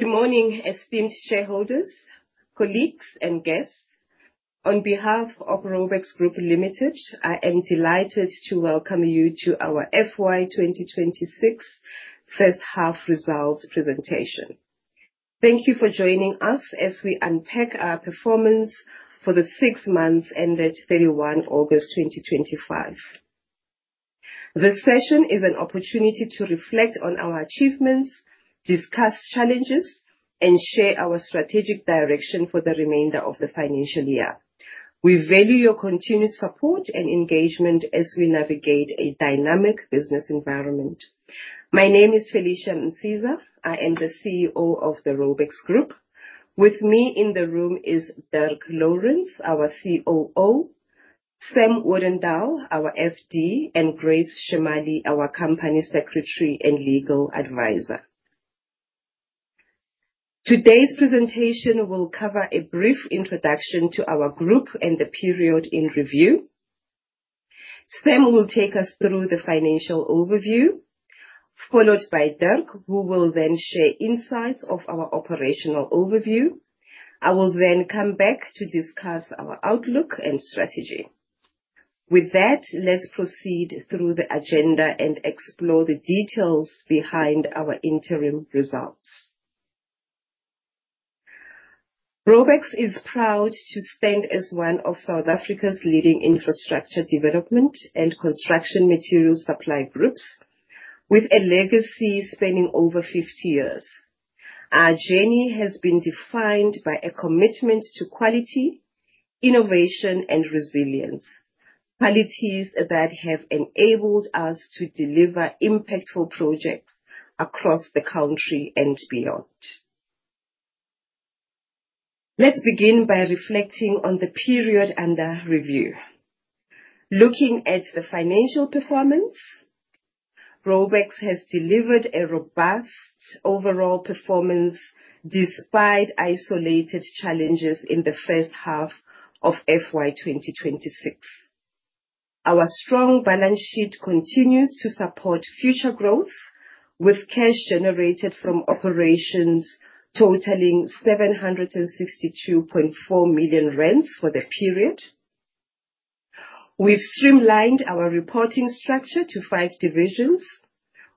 Good morning, esteemed shareholders, colleagues, and guests. On behalf of Raubex Group Limited, I am delighted to welcome you to our FY 2026 first-half results presentation. Thank you for joining us as we unpack our performance for the six months ended 31 August 2025. This session is an opportunity to reflect on our achievements, discuss challenges, and share our strategic direction for the remainder of the financial year. We value your continued support and engagement as we navigate a dynamic business environment. My name is Felicia Msiza, I am the CEO of the Raubex Group. With me in the room is Dirk Lourens, our COO, Sam Odendaal, our FD, and Grace Chemaly, our Company Secretary and Legal Advisor. Today's presentation will cover a brief introduction to our group and the period in review. Sam will take us through the financial overview, followed by Dirk, who will then share insights of our operational overview. I will then come back to discuss our outlook and strategy. With that, let's proceed through the agenda and explore the details behind our interim results. Raubex is proud to stand as one of South Africa's leading infrastructure development and construction materials supply groups, with a legacy spanning over 50 years. Our journey has been defined by a commitment to quality, innovation, and resilience, qualities that have enabled us to deliver impactful projects across the country and beyond. Let's begin by reflecting on the period under review. Looking at the financial performance, Raubex has delivered a robust overall performance despite isolated challenges in the first half of FY 2026. Our strong balance sheet continues to support future growth, with cash generated from operations totaling 762.4 million for the period. We've streamlined our reporting structure to five divisions,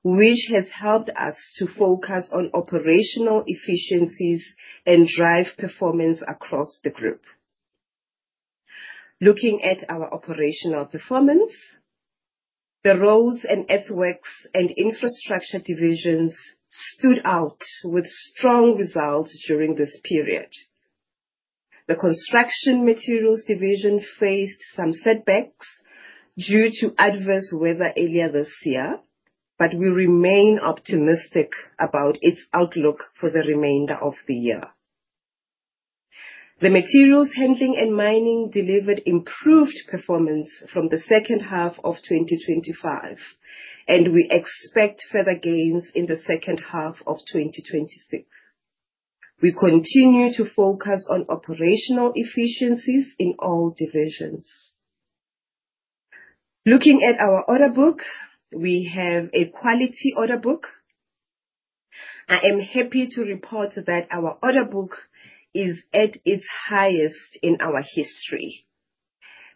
which has helped us to focus on operational efficiencies and drive performance across the group. Looking at our operational performance, the Roads and infrastructure division stood out with strong results during this period. The construction materials division faced some setbacks due to adverse weather earlier this year, but we remain optimistic about its outlook for the remainder of the year. The materials handling and mining delivered improved performance from the second half of 2025, and we expect further gains in the second half of 2026. We continue to focus on operational efficiencies in all divisions. Looking at our order book, we have a quality order book. I am happy to report that our order book is at its highest in our history.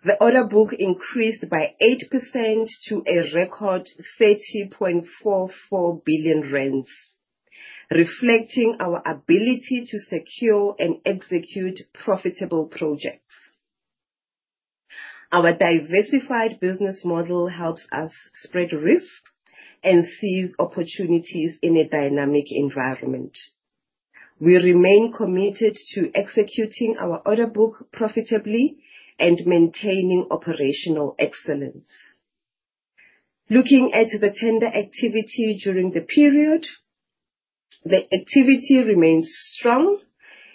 The order book increased by 8% to a record 30.44 billion rand, reflecting our ability to secure and execute profitable projects. Our diversified business model helps us spread risk and seize opportunities in a dynamic environment. We remain committed to executing our order book profitably and maintaining operational excellence. Looking at the tender activity during the period, the activity remains strong,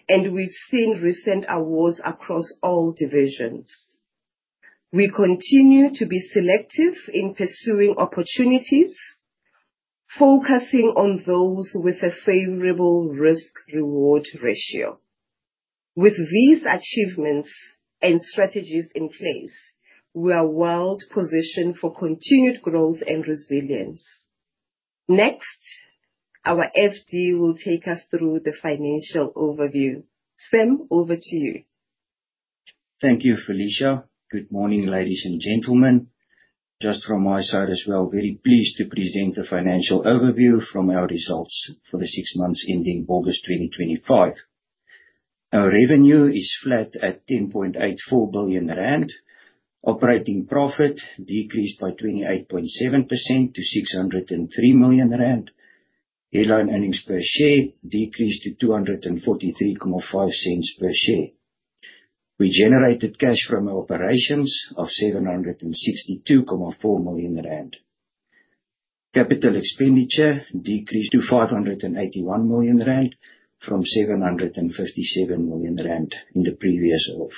and we've seen recent awards across all divisions. We continue to be selective in pursuing opportunities, focusing on those with a favorable risk-reward ratio. With these achievements and strategies in place, we are well-positioned for continued growth and resilience. Next, our FD will take us through the financial overview. Sam, over to you. Thank you, Felicia. Good morning, ladies and gentlemen. Just from my side as well, very pleased to present the financial overview from our results for the six months ending August 2025. Our revenue is flat at 10.84 billion rand, operating profit decreased by 28.7% to 603 million rand, headline earnings per share decreased to 2.435 per share. We generated cash from operations of 762.4 million rand. Capital expenditure decreased to 581 million rand from 757 million rand in the previous half.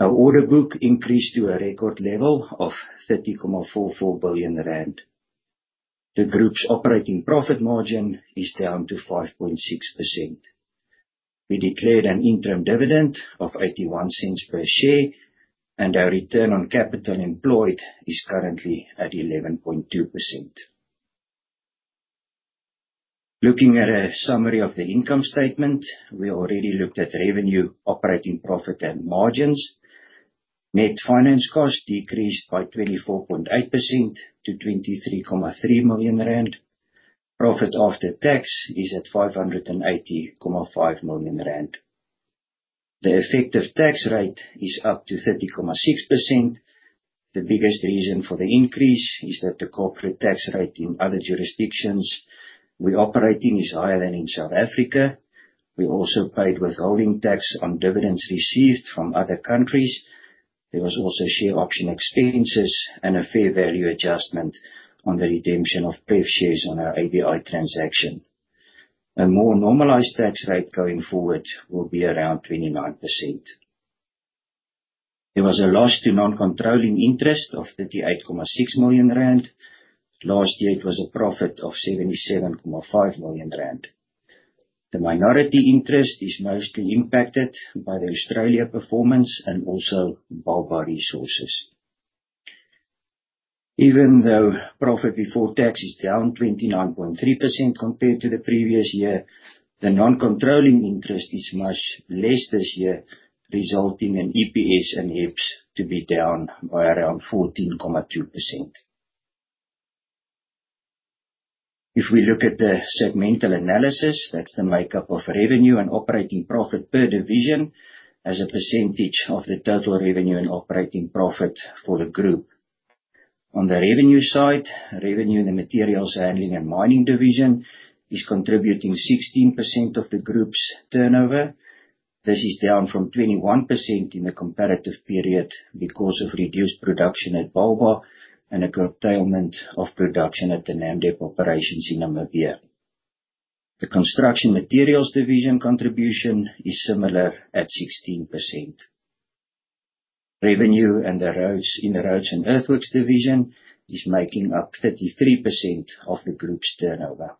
Our order book increased to a record level of 30.44 billion rand. The group's operating profit margin is down to 5.6%. We declared an interim dividend of 0.81 per share, and our return on capital employed is currently at 11.2%. Looking at a summary of the income statement, we already looked at revenue, operating profit, and margins. Net finance cost decreased by 24.8% to 23.3 million rand. Profit after tax is at 580.5 million rand. The effective tax rate is up to 30.6%. The biggest reason for the increase is that the corporate tax rate in other jurisdictions we operate in is higher than in South Africa. We also paid withholding tax on dividends received from other countries. There were also share option expenses and a fair value adjustment on the redemption of preference shares on our BEE transaction. A more normalized tax rate going forward will be around 29%. There was a loss to non-controlling interest of 38.6 million rand. Last year, it was a profit of 77.5 million rand. The minority interest is mostly impacted by the Australia performance and also Bauba Resources. Even though profit before tax is down 29.3% compared to the previous year, the non-controlling interest is much less this year, resulting in EPS and EBITDA to be down by around 14.2%. If we look at the segmental analysis, that's the makeup of revenue and operating profit per division as a percentage of the total revenue and operating profit for the group. On the revenue side, revenue in the materials handling and mining division is contributing 16% of the group's turnover. This is down from 21% in the comparative period because of reduced production at Bauba and the curtailment of production at the Namdeb operations in Namibia. The construction materials division contribution is similar at 16%. Revenue in the roads and earthworks division is making up 33% of the group's turnover.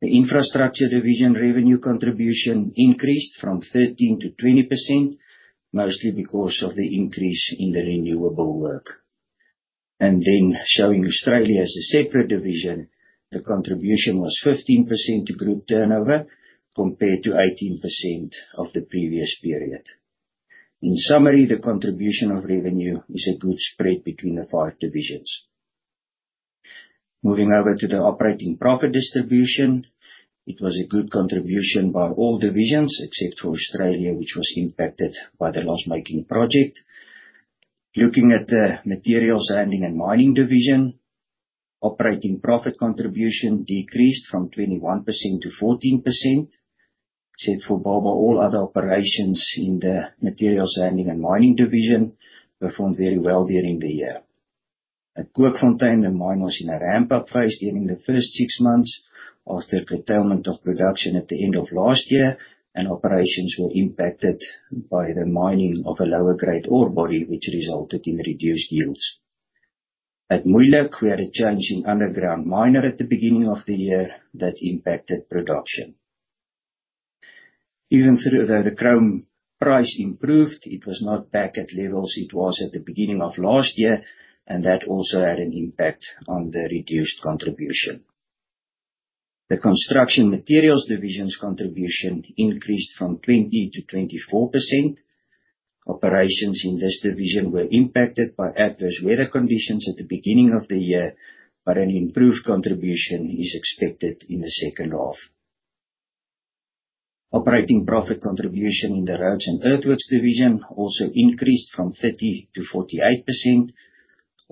The infrastructure division revenue contribution increased from 13%-20%, mostly because of the increase in the renewable work. Then, showing Australia as a separate division, the contribution was 15% to group turnover compared to 18% of the previous period. In summary, the contribution of revenue is a good spread between the five divisions. Moving over to the operating profit distribution, it was a good contribution by all divisions except for Australia, which was impacted by the loss-making project. Looking at the materials handling and mining division, operating profit contribution decreased from 21%-14%. Except for Bauba, all other operations in the materials handling and mining division performed very well during the year. At Kookfontein, the mine was in a ramp-up phase during the first six months after curtailment of production at the end of last year, and operations were impacted by the mining of a lower-grade ore body, which resulted in reduced yields. At Moeijelijk, we had a challenging underground miner at the beginning of the year that impacted production. Even though the chrome price improved, it was not back at levels it was at the beginning of last year, and that also had an impact on the reduced contribution. The construction materials division's contribution increased from 20%-24%. Operations in this division were impacted by adverse weather conditions at the beginning of the year, but an improved contribution is expected in the second half. Operating profit contribution in the roads and earthworks division also increased from 30%-48%.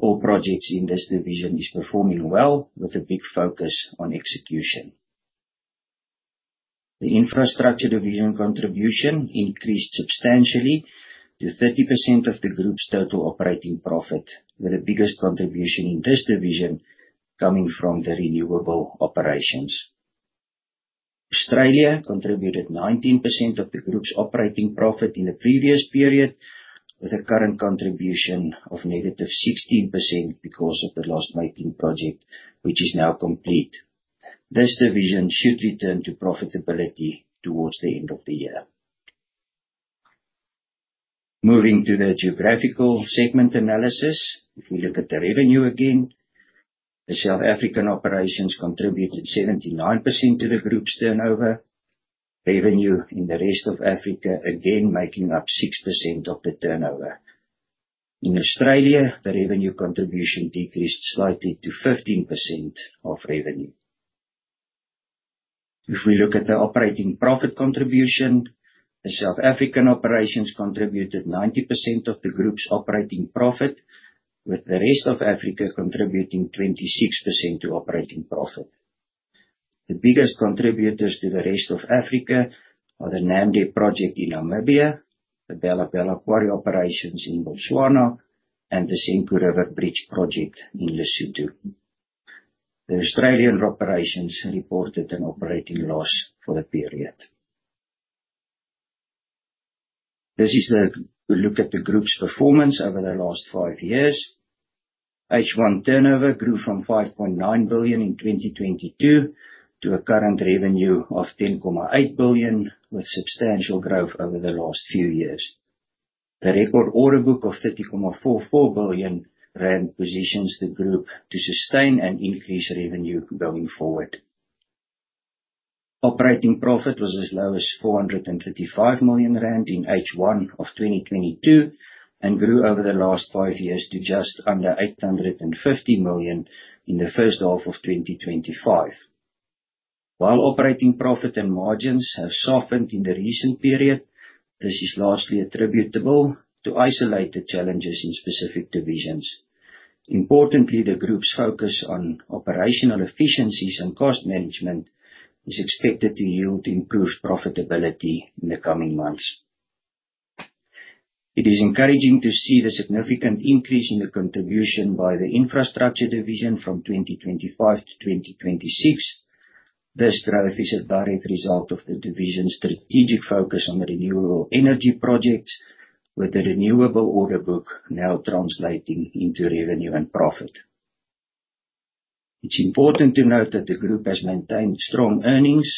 All projects in this division are performing well, with a big focus on execution. The infrastructure division contribution increased substantially to 30% of the group's total operating profit, with the biggest contribution in this division coming from the renewable operations. Australia contributed 19% of the group's operating profit in the previous period, with a current contribution of -16% because of the loss-making project, which is now complete. This division should return to profitability towards the end of the year. Moving to the geographical segment analysis, if we look at the revenue again, the South African operations contributed 79% to the group's turnover, revenue in the rest of Africa again making up 6% of the turnover. In Australia, the revenue contribution decreased slightly to 15% of revenue. If we look at the operating profit contribution, the South African operations contributed 90% of the group's operating profit, with the rest of Africa contributing 26% to operating profit. The biggest contributors to the rest of Africa are the Namdeb project in Namibia, the Bela-Bela Quarry operations in Botswana, and the Senqu River Bridge project in Lesotho. The Australian operations reported an operating loss for the period. This is a look at the group's performance over the last five years. H1 turnover grew from 5.9 billion in 2022 to a current revenue of 10.8 billion, with substantial growth over the last few years. The record order book of 30.44 billion rand positions the group to sustain and increase revenue going forward. Operating profit was as low as 435 million rand in H1 of 2022 and grew over the last five years to just under 850 million in the first half of 2025. While operating profit and margins have softened in the recent period, this is largely attributable to isolated challenges in specific divisions. Importantly, the group's focus on operational efficiencies and cost management is expected to yield improved profitability in the coming months. It is encouraging to see the significant increase in the contribution by the infrastructure division from 2025-2026. This growth is a direct result of the division's strategic focus on renewable energy projects, with the renewable order book now translating into revenue and profit. It's important to note that the group has maintained strong earnings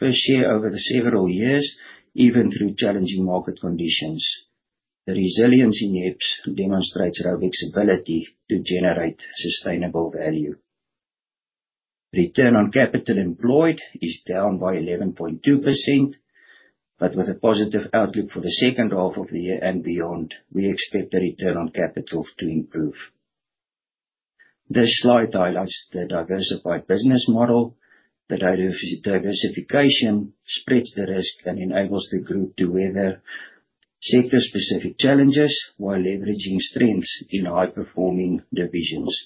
per share over several years, even through challenging market conditions. The resilience in EBITDA demonstrates Raubex's ability to generate sustainable value. Return on capital employed is down by 11.2%, but with a positive outlook for the second half of the year and beyond, we expect the return on capital to improve. This slide highlights the diversified business model, that diversification spreads the risk and enables the group to weather sector-specific challenges while leveraging strengths in high-performing divisions.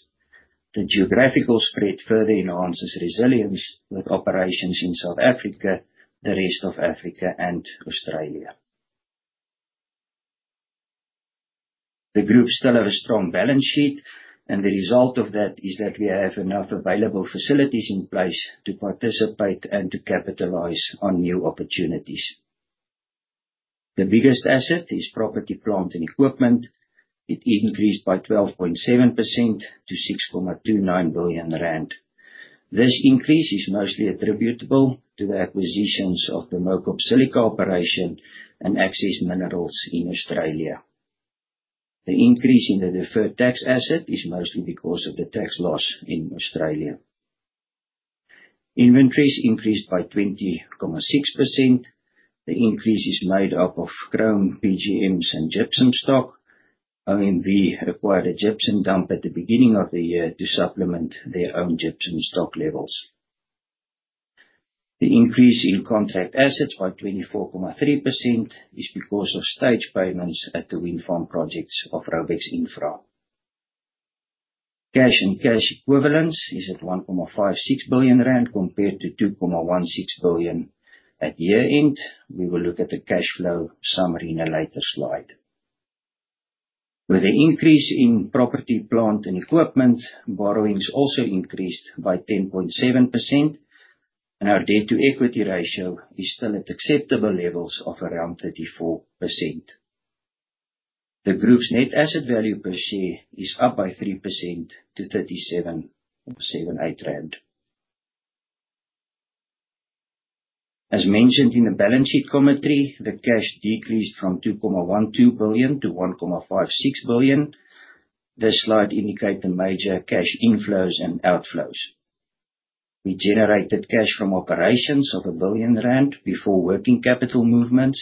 The geographical spread further enhances resilience with operations in South Africa, the rest of Africa, and Australia. The group still has a strong balance sheet, and the result of that is that we have enough available facilities in place to participate and to capitalize on new opportunities. The biggest asset is property, plant, and equipment. It increased by 12.7% to 6.29 billion rand. This increase is mostly attributable to the acquisitions of the Mowcop Silica operation and Axis Mineral Services in Australia. The increase in the deferred tax asset is mostly because of the tax loss in Australia. Inventories increased by 20.6%. The increase is made up of chrome, PGMs, and gypsum stock. OMV acquired a gypsum dump at the beginning of the year to supplement their own gypsum stock levels. The increase in contract assets by 24.3% is because of stage payments at the wind farm projects of Raubex Infra. Cash and cash equivalents is at 1.56 billion rand compared to 2.16 billion at year-end. We will look at the cash flow summary in a later slide. With the increase in property, plant, and equipment, borrowings also increased by 10.7%, and our debt-to-equity ratio is still at acceptable levels of around 34%. The group's net asset value per share is up by 3% to 37.78 rand. As mentioned in the balance sheet commentary, the cash decreased from 2.12 billion to 1.56 billion. This slide indicates the major cash inflows and outflows. We generated cash from operations of 1 billion rand before working capital movements.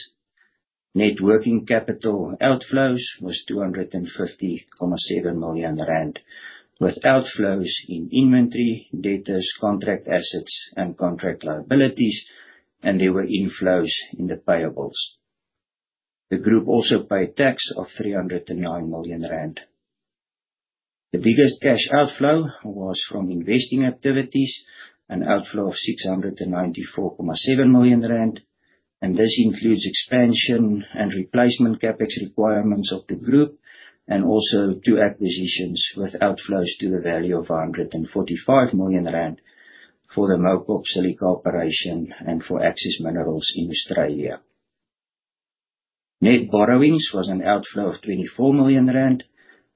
Net working capital outflows were 250.7 million rand, with outflows in inventory, debtors, contract assets, and contract liabilities, and there were inflows in the payables. The group also paid tax of 309 million rand. The biggest cash outflow was from investing activities, an outflow of 694.7 million rand, and this includes expansion and replacement CapEx requirements of the group, and also two acquisitions with outflows to the value of 145 million rand for the Mowcop Silica operation and for Axis Mineral Services in Australia. Net borrowings were an outflow of 24 million rand,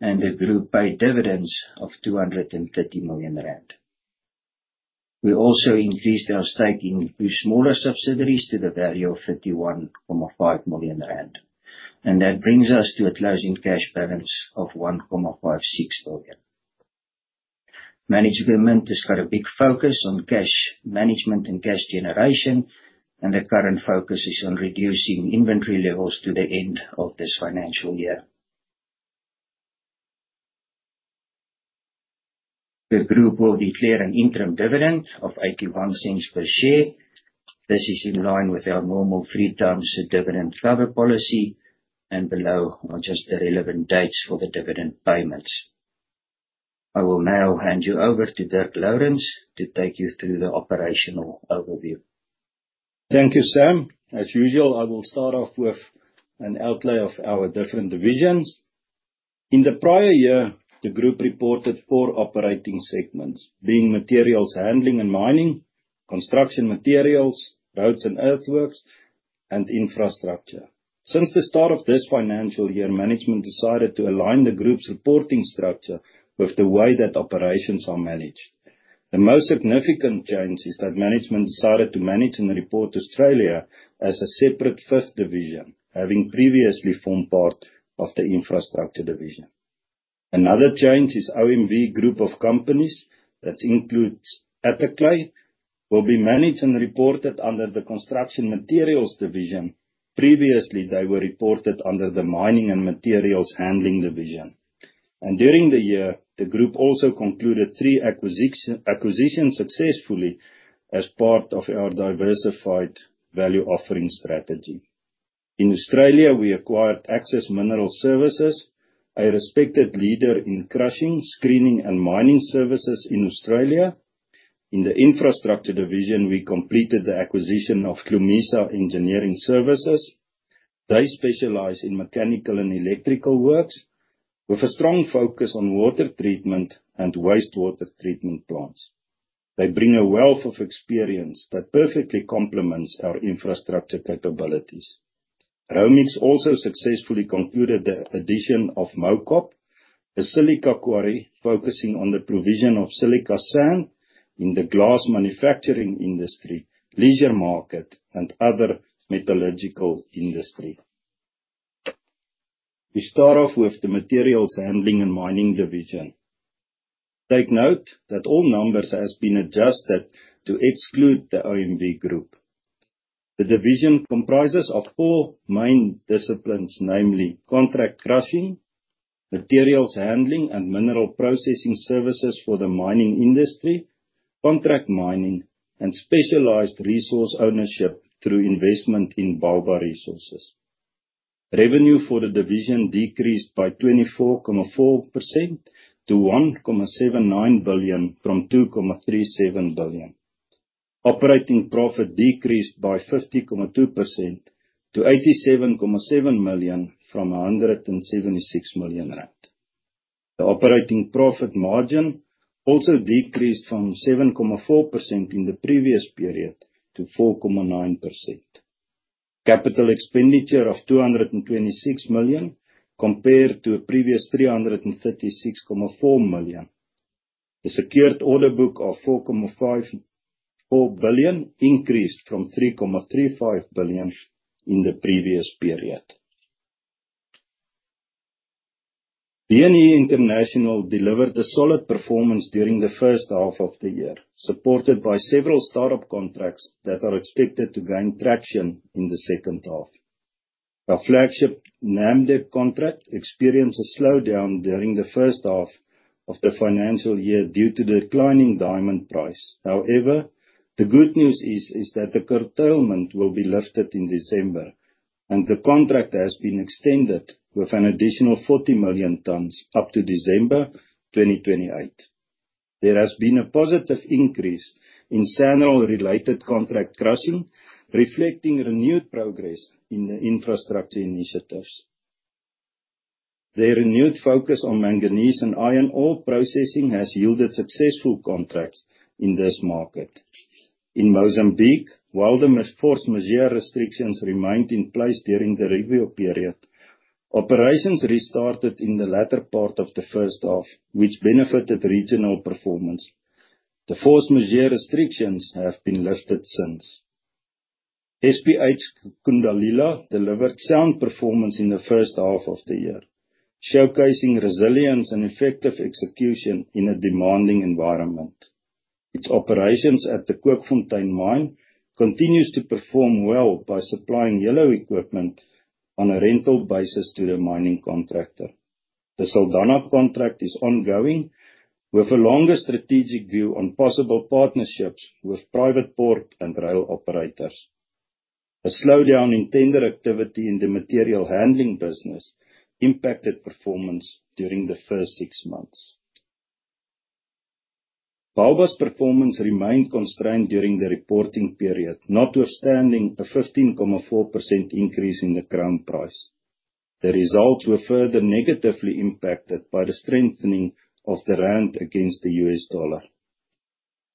and the group paid dividends of 230 million rand. We also increased our stake in two smaller subsidiaries to the value of 51.5 million rand, and that brings us to a closing cash balance of ZAR 1.56 billion. Management has got a big focus on cash management and cash generation, and the current focus is on reducing inventory levels to the end of this financial year. The group will declare an interim dividend of 0.81 per share. This is in line with our normal 3x dividend cover policy and below are just the relevant dates for the dividend payments. I will now hand you over to Dirk Lourens to take you through the operational overview. Thank you, Sam. As usual, I will start off with an outlay of our different divisions. In the prior year, the group reported four operating segments, being materials handling and mining, construction materials, roads and earthworks, and infrastructure. Since the start of this financial year, management decided to align the group's reporting structure with the way that operations are managed. The most significant change is that management decided to manage and report Australia as a separate fifth division, having previously formed part of the infrastructure division. Another change is OMV Group of Companies that includes Attaclay will be managed and reported under the construction materials division. Previously, they were reported under the mining and materials handling division. During the year, the group also concluded three acquisitions successfully as part of our diversified value offering strategy. In Australia, we acquired Axis Mineral Services, a respected leader in crushing, screening, and mining services in Australia. In the infrastructure division, we completed the acquisition of Hlumisa Engineering Services. They specialize in mechanical and electrical works with a strong focus on water treatment and wastewater treatment plants. They bring a wealth of experience that perfectly complements our infrastructure capabilities. Raubex also successfully concluded the addition of Mowcop, a Silica Quarry focusing on the provision of silica sand in the glass manufacturing industry, leisure market, and other metallurgical industry. We start off with the materials handling and mining division. Take note that all numbers have been adjusted to exclude the OMV Group. The division comprises four main disciplines, namely contract crushing, materials handling, and mineral processing services for the mining industry, contract mining, and specialized resource ownership through investment in Bauba Resources. Revenue for the division decreased by 24.4% to 1.79 billion from 2.37 billion. Operating profit decreased by 50.2% to 87.7 million from 176 million rand. The operating profit margin also decreased from 7.4% in the previous period to 4.9%. Capital expenditure of 226 million compared to a previous 336.4 million. The secured order book of 4.54 billion increased from 3.35 billion in the previous period. B&E International delivered a solid performance during the first half of the year, supported by several startup contracts that are expected to gain traction in the second half. Our flagship Namdeb contract experienced a slowdown during the first half of the financial year due to the declining diamond price. However, the good news is that the curtailment will be lifted in December, and the contract has been extended with an additional 40 million tons up to December 2028. There has been a positive increase in SANRAL-related contract crushing, reflecting renewed progress in the infrastructure initiatives. Their renewed focus on manganese and iron ore processing has yielded successful contracts in this market. In Mozambique, while the force majeure restrictions remained in place during the review period, operations restarted in the latter part of the first half, which benefited regional performance. The force majeure restrictions have been lifted since. SPH Kundalila delivered sound performance in the first half of the year, showcasing resilience and effective execution in a demanding environment. Its operations at the Kookfontein Mine continue to perform well by supplying yellow equipment on a rental basis to the mining contractor. The Saldanha contract is ongoing with a longer strategic view on possible partnerships with private port and rail operators. A slowdown in tender activity in the material handling business impacted performance during the first six months. Bauba's performance remained constrained during the reporting period, notwithstanding a 15.4% increase in the chrome price. The results were further negatively impacted by the strengthening of the rand against the U.S. dollar.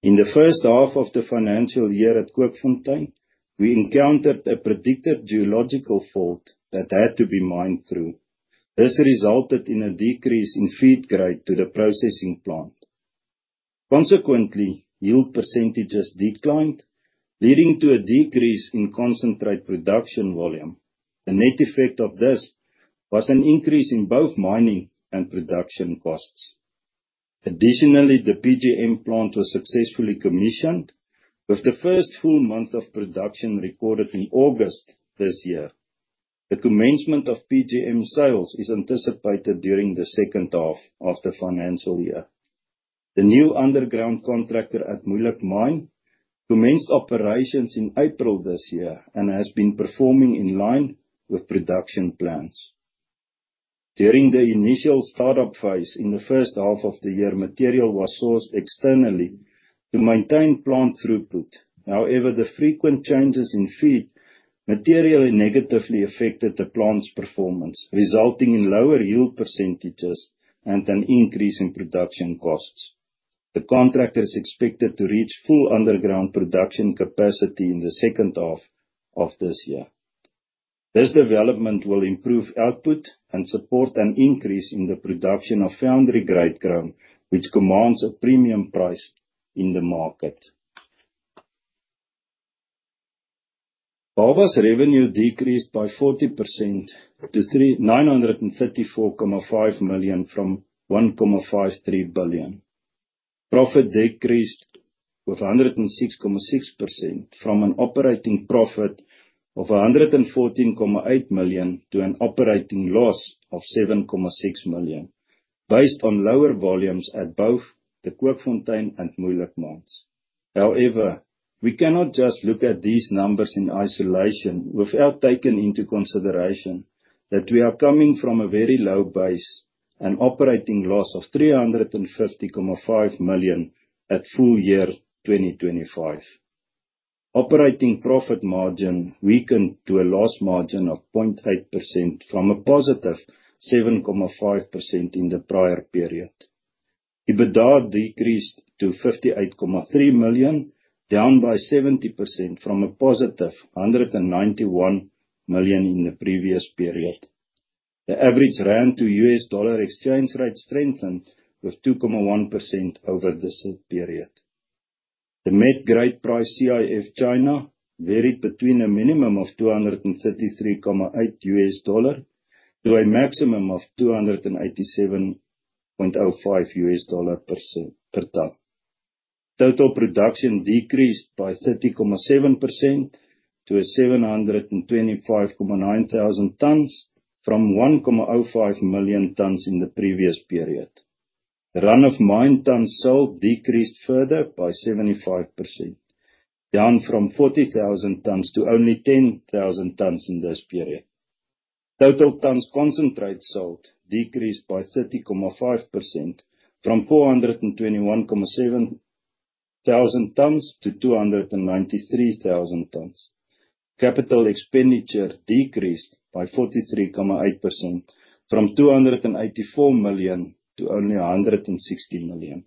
In the first half of the financial year at Kookfontein, we encountered a predicted geological fault that had to be mined through. This resulted in a decrease in feed grade to the processing plant. Consequently, yield percentages declined, leading to a decrease in concentrate production volume. The net effect of this was an increase in both mining and production costs. Additionally, the PGM plant was successfully commissioned, with the first full month of production recorded in August this year. The commencement of PGM sales is anticipated during the second half of the financial year. The new underground contractor at Moeijelijk Mine commenced operations in April this year and has been performing in line with production plans. During the initial startup phase in the first half of the year, material was sourced externally to maintain plant throughput. However, the frequent changes in feed material negatively affected the plant's performance, resulting in lower yield percentages and an increase in production costs. The contractor is expected to reach full underground production capacity in the second half of this year. This development will improve output and support an increase in the production of foundry grade chrome, which commands a premium price in the market. Bauba's revenue decreased by 40% to 934.5 million from 1.53 billion. Profit decreased with 106.6% from an operating profit of 114.8 million to an operating loss of 7.6 million, based on lower volumes at both the Kookfontein and Moeijelijk Mines. However, we cannot just look at these numbers in isolation without taking into consideration that we are coming from a very low base and operating loss of 350.5 million at full year 2025. Operating profit margin weakened to a loss margin of 0.8% from a +7.5% in the prior period. EBITDA decreased to 58.3 million, down by 70% from a +191 million in the previous period. The average rand to US dollar exchange rate strengthened with 2.1% over this period. The met grade price CIF China varied between a minimum of $233.8 to a maximum of $287.05 per ton. Total production decreased by 30.7% to 725,900 tons from 1.05 million tons in the previous period. The run of mine tons sold decreased further by 75%, down from 40,000 tons to only 10,000 tons in this period. Total tons concentrate sold decreased by 30.5% from 421,700 tons-293,000 tons. Capital expenditure decreased by 43.8% from 284 million to only 160 million.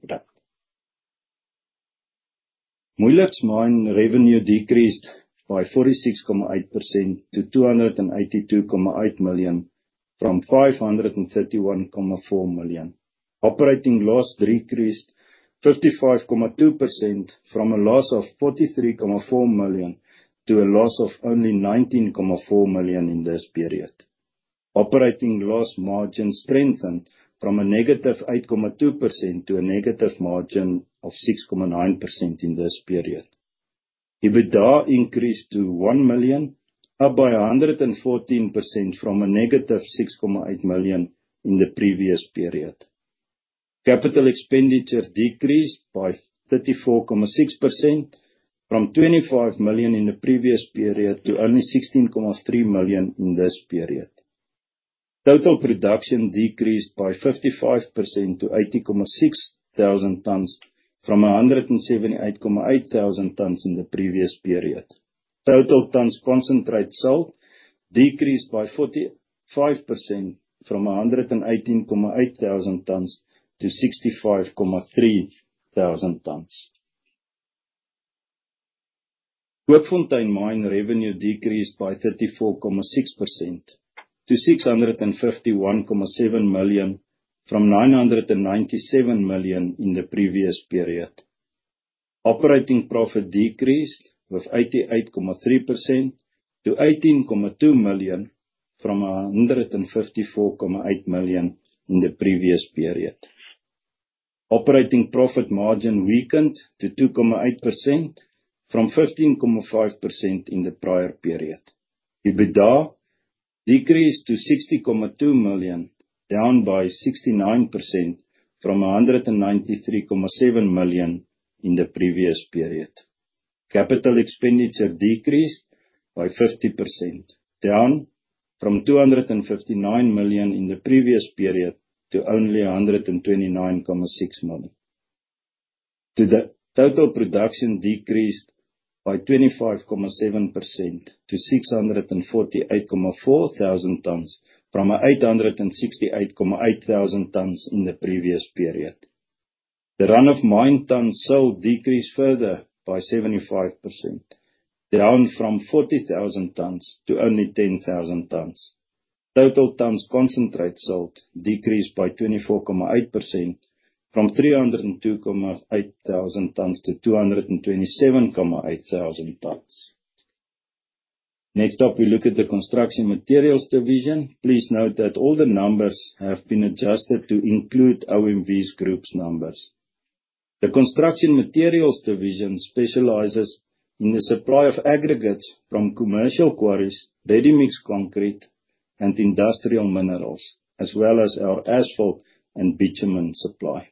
Moeijelijk mine revenue decreased by 46.8% to 282.8 million from 531.4 million. Operating loss decreased 55.2% from a loss of 43.4 million to a loss of only 19.4 million in this period. Operating loss margin strengthened from a -8.2% to a negative margin of 6.9% in this period. EBITDA increased to 1 million, up by 114% from a -6.8 million in the previous period. Capital expenditure decreased by 34.6% from 25 million in the previous period to only 16.3 million in this period. Total production decreased by 55% to 80,600 tons from 178,800 tons in the previous period. Total tons concentrate sold decreased by 45% from 118,800 tons-65,300 tons. Kookfontein Mine revenue decreased by 34.6% to 651.7 million from 997 million in the previous period. Operating profit decreased with 88.3% to 18.2 million from 154.8 million in the previous period. Operating profit margin weakened to 2.8% from 15.5% in the prior period. EBITDA decreased to 60.2 million, down by 69% from 193.7 million in the previous period. Capital expenditure decreased by 50%, down from 259 million in the previous period to only 129.6 million. Total production decreased by 25.7% to 648,400 tons from 868,800 tons in the previous period. The run of mine tons sold decreased further by 75%, down from 40,000 tons to only 10,000 tons. Total tons concentrate sold decreased by 24.8% from 302,800 tons to 227,800 tons. Next up, we look at the construction materials division. Please note that all the numbers have been adjusted to include OMV Group's numbers. The construction materials division specializes in the supply of aggregates from commercial quarries, ready-mix concrete, and industrial minerals, as well as our asphalt and bitumen supply.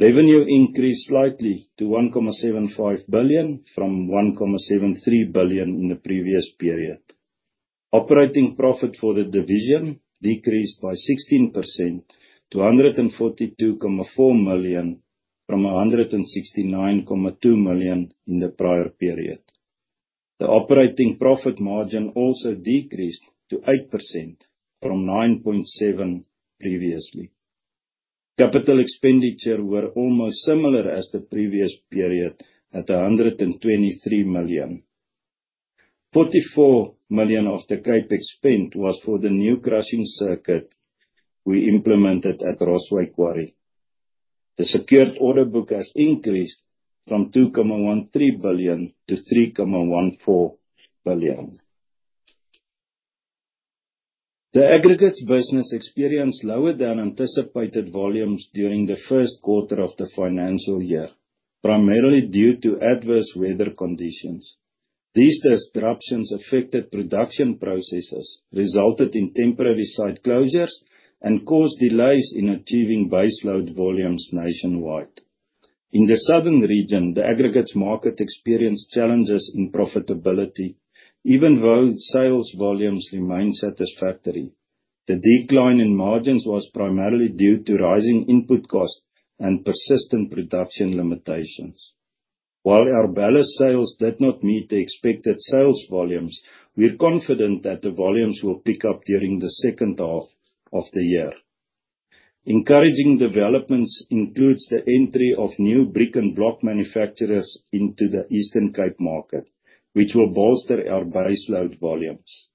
Revenue increased slightly to 1.75 billion from 1.73 billion in the previous period. Operating profit for the division decreased by 16% to 142.4 million from 169.2 million in the prior period. The operating profit margin also decreased to 8% from 9.7% previously. Capital expenditure were almost similar as the previous period at 123 million. 44 million of the CapEx spent was for the new crushing circuit we implemented at Rossway Quarry. The secured order book has increased from 2.13 billion-3.14 billion. The aggregates business experienced lower than anticipated volumes during the first quarter of the financial year, primarily due to adverse weather conditions. These disruptions affected production processes, resulted in temporary site closures, and caused delays in achieving base load volumes nationwide. In the southern region, the aggregates market experienced challenges in profitability. Even though sales volumes remain satisfactory, the decline in margins was primarily due to rising input costs and persistent production limitations. While our balance sales did not meet the expected sales volumes, we are confident that the volumes will pick up during the second half of the year. Encouraging developments includes the entry of new brick-and-block manufacturers into the Eastern Cape market, which will bolster our base load volumes.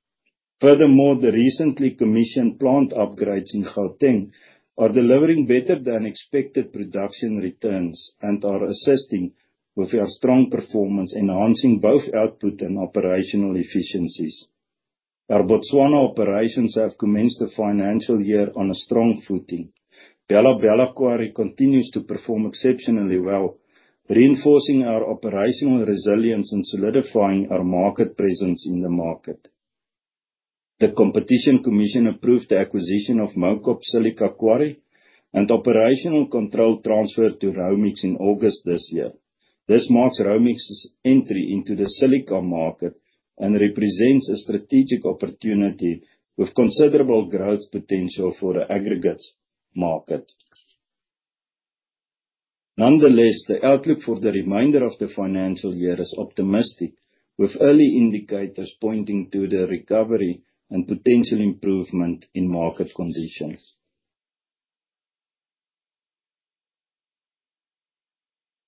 Furthermore, the recently commissioned plant upgrades in Gauteng are delivering better than expected production returns and are assisting with our strong performance, enhancing both output and operational efficiencies. Our Botswana operations have commenced the financial year on a strong footing. Bela-Bela Quarry continues to perform exceptionally well, reinforcing our operational resilience and solidifying our market presence in the market. The Competition Commission approved the acquisition of Mowcop Silica quarry and operational control transfer to Raumix in August this year. This marks Raumix's N3 into the silica market and represents a strategic opportunity with considerable growth potential for the aggregates market. Nonetheless, the outlook for the remainder of the financial year is optimistic, with early indicators pointing to the recovery and potential improvement in market conditions.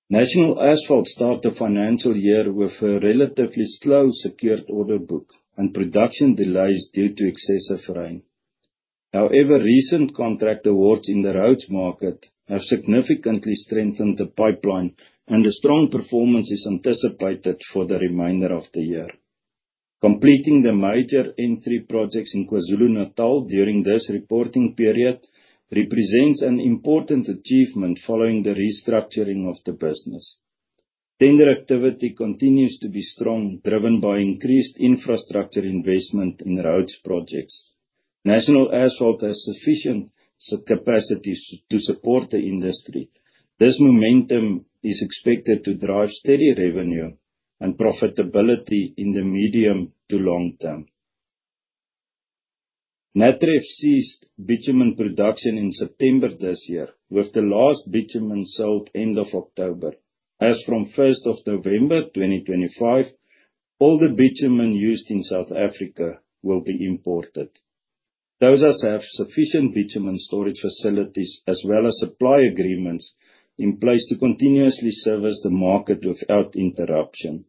National Asphalt started the financial year with a relatively slow secured order book and production delays due to excessive rain. However, recent contract awards in the roads market have significantly strengthened the pipeline, and the strong performance is anticipated for the remainder of the year. Completing the major N3 projects in KwaZulu-Natal during this reporting period represents an important achievement following the restructuring of the business. Tender activity continues to be strong, driven by increased infrastructure investment in roads projects. National Asphalt has sufficient capacity to support the industry. This momentum is expected to drive steady revenue and profitability in the medium to long term. Natref ceased bitumen production in September this year, with the last bitumen sold at the end of October. As from 1st November 2025, all the bitumen used in South Africa will be imported. Tosas have sufficient bitumen storage facilities as well as supply agreements in place to continuously service the market without interruption.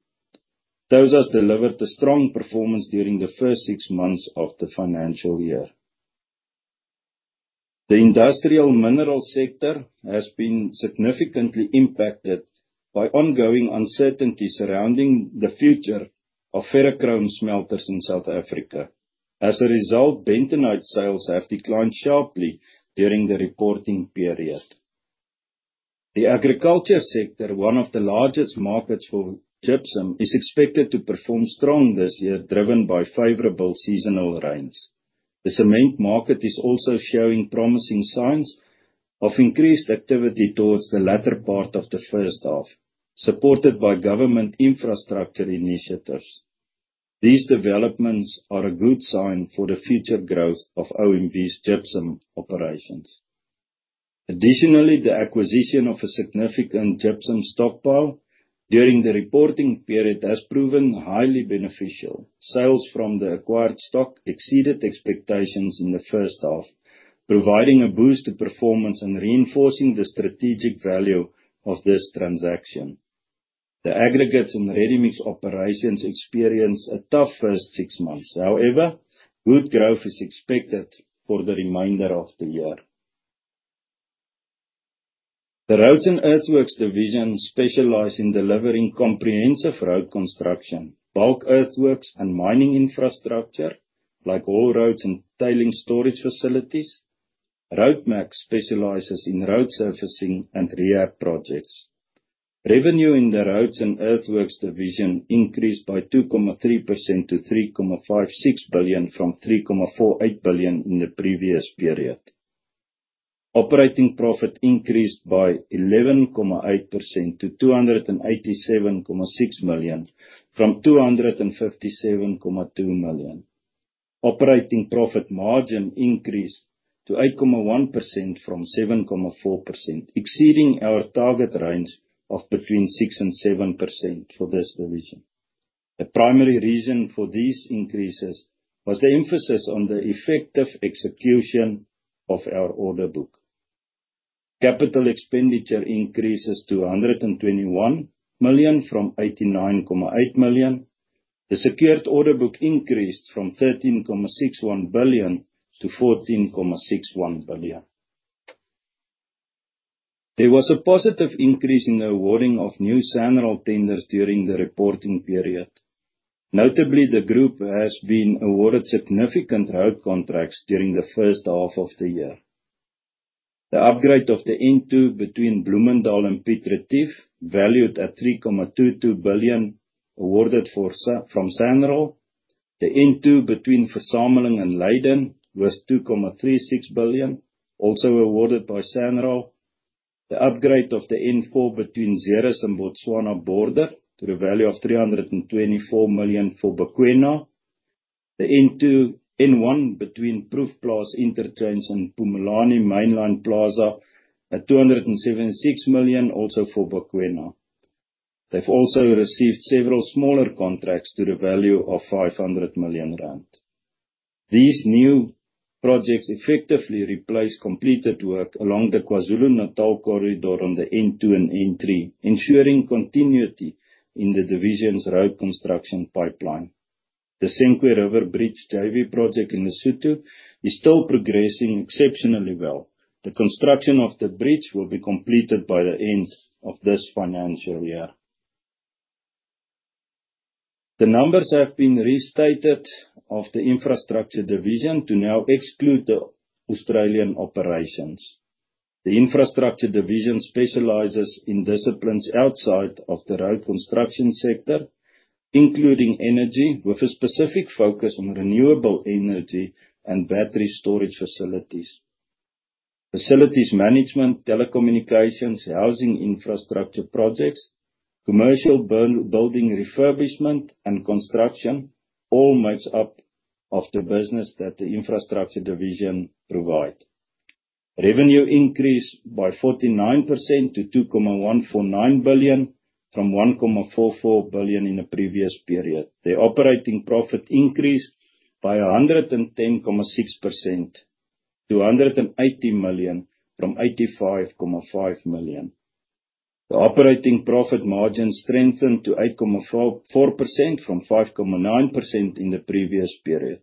Tosas delivered a strong performance during the first six months of the financial year. The industrial mineral sector has been significantly impacted by ongoing uncertainty surrounding the future of ferrochrome smelters in South Africa. As a result, bentonite sales have declined sharply during the reporting period. The agriculture sector, one of the largest markets for gypsum, is expected to perform strong this year, driven by favorable seasonal rains. The cement market is also showing promising signs of increased activity towards the latter part of the first half, supported by government infrastructure initiatives. These developments are a good sign for the future growth of OMV's gypsum operations. Additionally, the acquisition of a significant gypsum stockpile during the reporting period has proven highly beneficial. Sales from the acquired stock exceeded expectations in the first half, providing a boost to performance and reinforcing the strategic value of this transaction. The aggregates and ready-mix operations experienced a tough first six months. However, good growth is expected for the remainder of the year. The roads and earthworks division specializes in delivering comprehensive road construction, bulk earthworks, and mining infrastructure, like all roads and tailing storage facilities. Roadmac specializes in road surfacing and rehab projects. Revenue in the roads and earthworks division increased by 2.3% to 3.56 billion from 3.48 billion in the previous period. Operating profit increased by 11.8% to 287.6 million from 257.2 million. Operating profit margin increased to 8.1% from 7.4%, exceeding our target range of between 6% and 7% for this division. The primary reason for these increases was the emphasis on the effective execution of our order book. Capital expenditure increases to 121 million from 89.8 million. The secured order book increased from 13.61 billion-14.61 billion. There was a positive increase in the awarding of new SANRAL tenders during the reporting period. Notably, the group has been awarded significant road contracts during the first half of the year. The upgrade of the N2 between Bloemendal and Piet Retief, valued at 3.22 billion, awarded from SANRAL. The N2 between Verzameling and Leiden was 2.36 billion, also awarded by SANRAL. The upgrade of the N4 between Zeerust and Botswana border to the value of 324 million for Bakwena. The N1 between Pumulani Interchange and Pumulani Mainline Plaza at 276 million, also for Bakwena. They have also received several smaller contracts to the value of 500 million rand. These new projects effectively replace completed work along the KwaZulu-Natal corridor on the N2 and N3, ensuring continuity in the division's road construction pipeline. The Senqu River Bridge JV project in Lesotho is still progressing exceptionally well. The construction of the bridge will be completed by the end of this financial year. The numbers have been restated of the infrastructure division to now exclude the Australian operations. The infrastructure division specializes in disciplines outside of the road construction sector, including energy, with a specific focus on renewable energy and battery storage facilities. Facilities management, telecommunications, housing infrastructure projects, commercial building refurbishment, and construction all make up of the business that the infrastructure division provides. Revenue increased by 49% to 2.149 billion from 1.44 billion in the previous period. The operating profit increased by 110.6% to 180 million from 85.5 million. The operating profit margin strengthened to 8.4% from 5.9% in the previous period.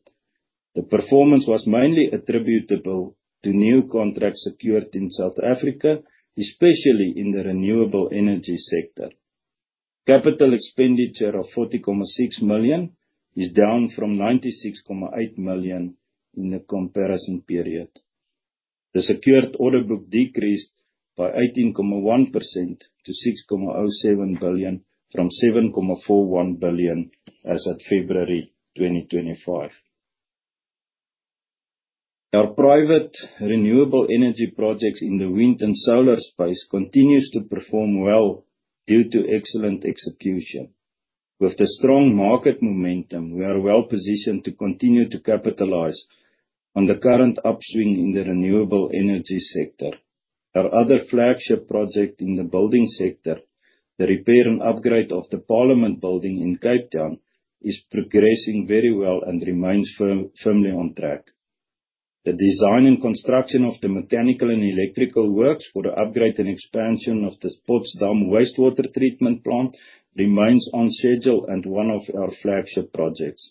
The performance was mainly attributable to new contracts secured in South Africa, especially in the renewable energy sector. Capital expenditure of 40.6 million is down from 96.8 million in the comparison period. The secured order book decreased by 18.1% to 6.07 billion from 7.41 billion as of February 2025. Our private renewable energy projects in the wind and solar space continue to perform well due to excellent execution. With the strong market momentum, we are well positioned to continue to capitalize on the current upswing in the renewable energy sector. Our other flagship project in the building sector, the repair and upgrade of the Parliament building in Cape Town, is progressing very well and remains firmly on track. The design and construction of the mechanical and electrical works for the upgrade and expansion of the Potsdam wastewater treatment plant remains on schedule and one of our flagship projects.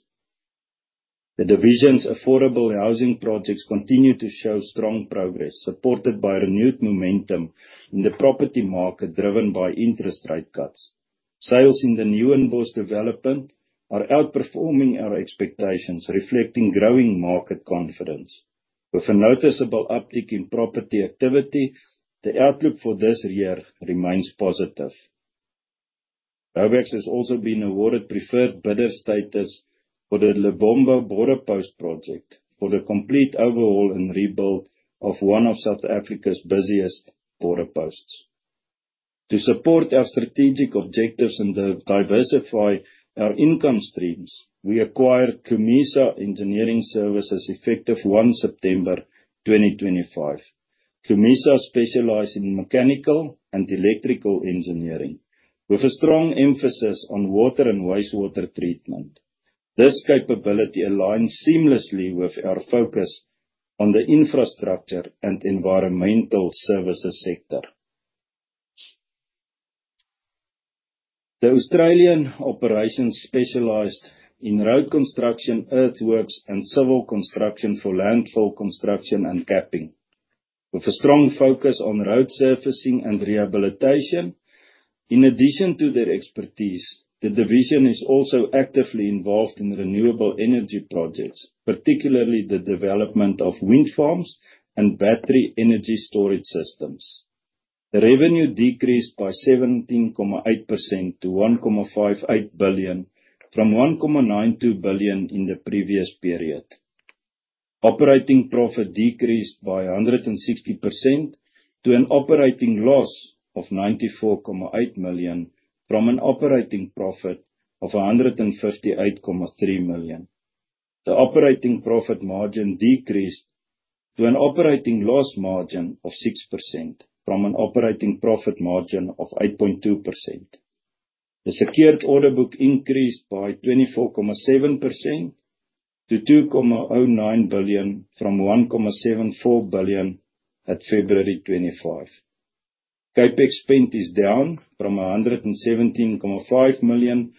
The division's affordable housing projects continue to show strong progress, supported by renewed momentum in the property market driven by interest rate cuts. Sales in the Newinbosch development are outperforming our expectations, reflecting growing market confidence. With a noticeable uptick in property activity, the outlook for this year remains positive. Raubex has also been awarded preferred bidder status for the Lebombo Border Post project for the complete overhaul and rebuild of one of South Africa's busiest border posts. To support our strategic objectives and diversify our income streams, we acquired Hlumisa Engineering Services effective 1 September 2025. Hlumisa specializes in mechanical and electrical engineering, with a strong emphasis on water and wastewater treatment. This capability aligns seamlessly with our focus on the infrastructure and environmental services sector. The Australian operations specialized in road construction, earthworks, and civil construction for landfill construction and capping. With a strong focus on road surfacing and rehabilitation, in addition to their expertise, the division is also actively involved in renewable energy projects, particularly the development of wind farms and battery energy storage systems. The revenue decreased by 17.8% to 1.58 billion from 1.92 billion in the previous period. Operating profit decreased by 160% to an operating loss of 94.8 million from an operating profit of 158.3 million. The operating profit margin decreased to an operating loss margin of 6% from an operating profit margin of 8.2%. The secured order book increased by 24.7% to 2.09 billion from 1.74 billion at February 25. CapEx is down from 117.5 million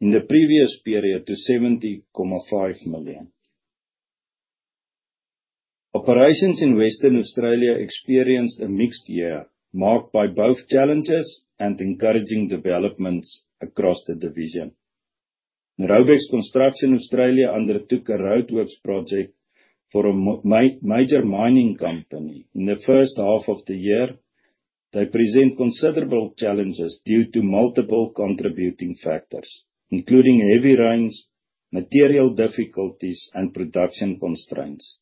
in the previous period to 70.5 million. Operations in Western Australia experienced a mixed year marked by both challenges and encouraging developments across the division. Raubex Construction Australia undertook a roadworks project for a major mining company in the first half of the year. They present considerable challenges due to multiple contributing factors, including heavy rains, material difficulties, and production constraints.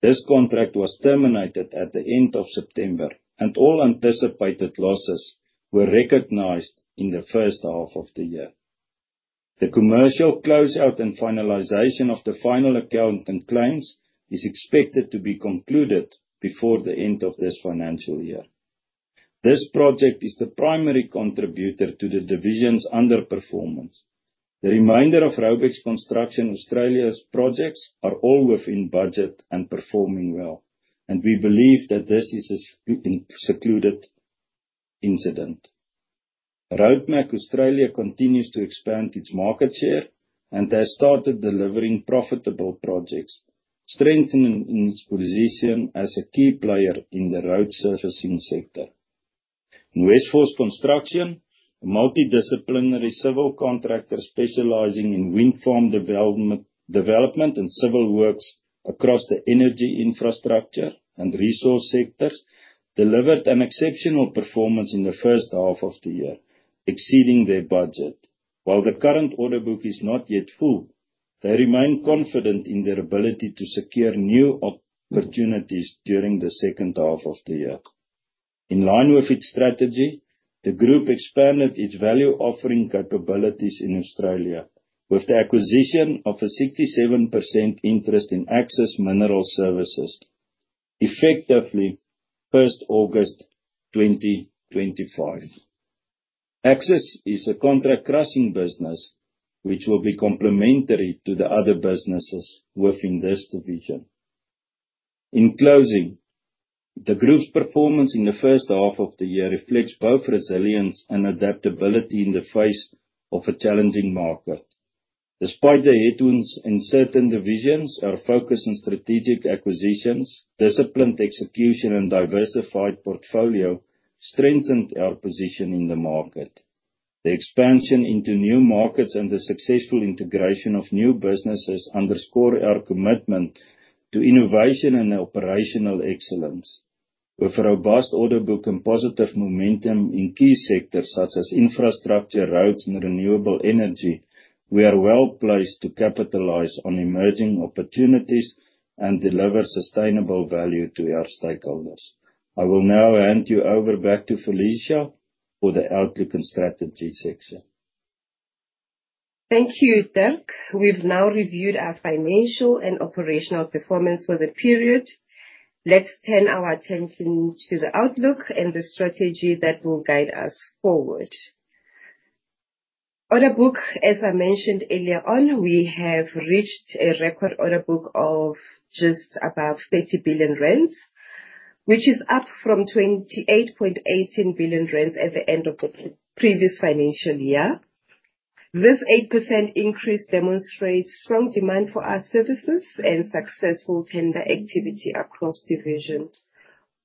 This contract was terminated at the end of September, and all anticipated losses were recognized in the first half of the year. The commercial closeout and finalization of the final account and claims is expected to be concluded before the end of this financial year. This project is the primary contributor to the division's underperformance. The remainder of Raubex Construction Australia's projects are all within budget and performing well, and we believe that this is an isolated incident. Roadmac Australia continues to expand its market share, and they have started delivering profitable projects, strengthening its position as a key player in the road surfacing sector. In Westforce Construction, a multidisciplinary civil contractor specializing in wind farm development and civil works across the energy infrastructure and resource sectors delivered an exceptional performance in the first half of the year, exceeding their budget. While the current order book is not yet full, they remain confident in their ability to secure new opportunities during the second half of the year. In line with its strategy, the group expanded its value offering capabilities in Australia with the acquisition of a 67% interest in Axis Mineral Services, effective 1st August 2025. Axis is a contract crushing business, which will be complementary to the other businesses within this division. In closing, the group's performance in the first half of the year reflects both resilience and adaptability in the face of a challenging market. Despite the headwinds in certain divisions, our focus on strategic acquisitions, disciplined execution, and diversified portfolio strengthened our position in the market. The expansion into new markets and the successful integration of new businesses underscore our commitment to innovation and operational excellence. With a robust order book and positive momentum in key sectors such as infrastructure, roads, and renewable energy, we are well placed to capitalize on emerging opportunities and deliver sustainable value to our stakeholders. I will now hand you over back to Felicia for the outlook and strategy section. Thank you, Dirk. We've now reviewed our financial and operational performance for the period. Let's turn our attention to the outlook and the strategy that will guide us forward. Order book, as I mentioned earlier on, we have reached a record order book of just above 30 billion, which is up from 28.18 billion at the end of the previous financial year. This 8% increase demonstrates strong demand for our services and successful tender activity across divisions.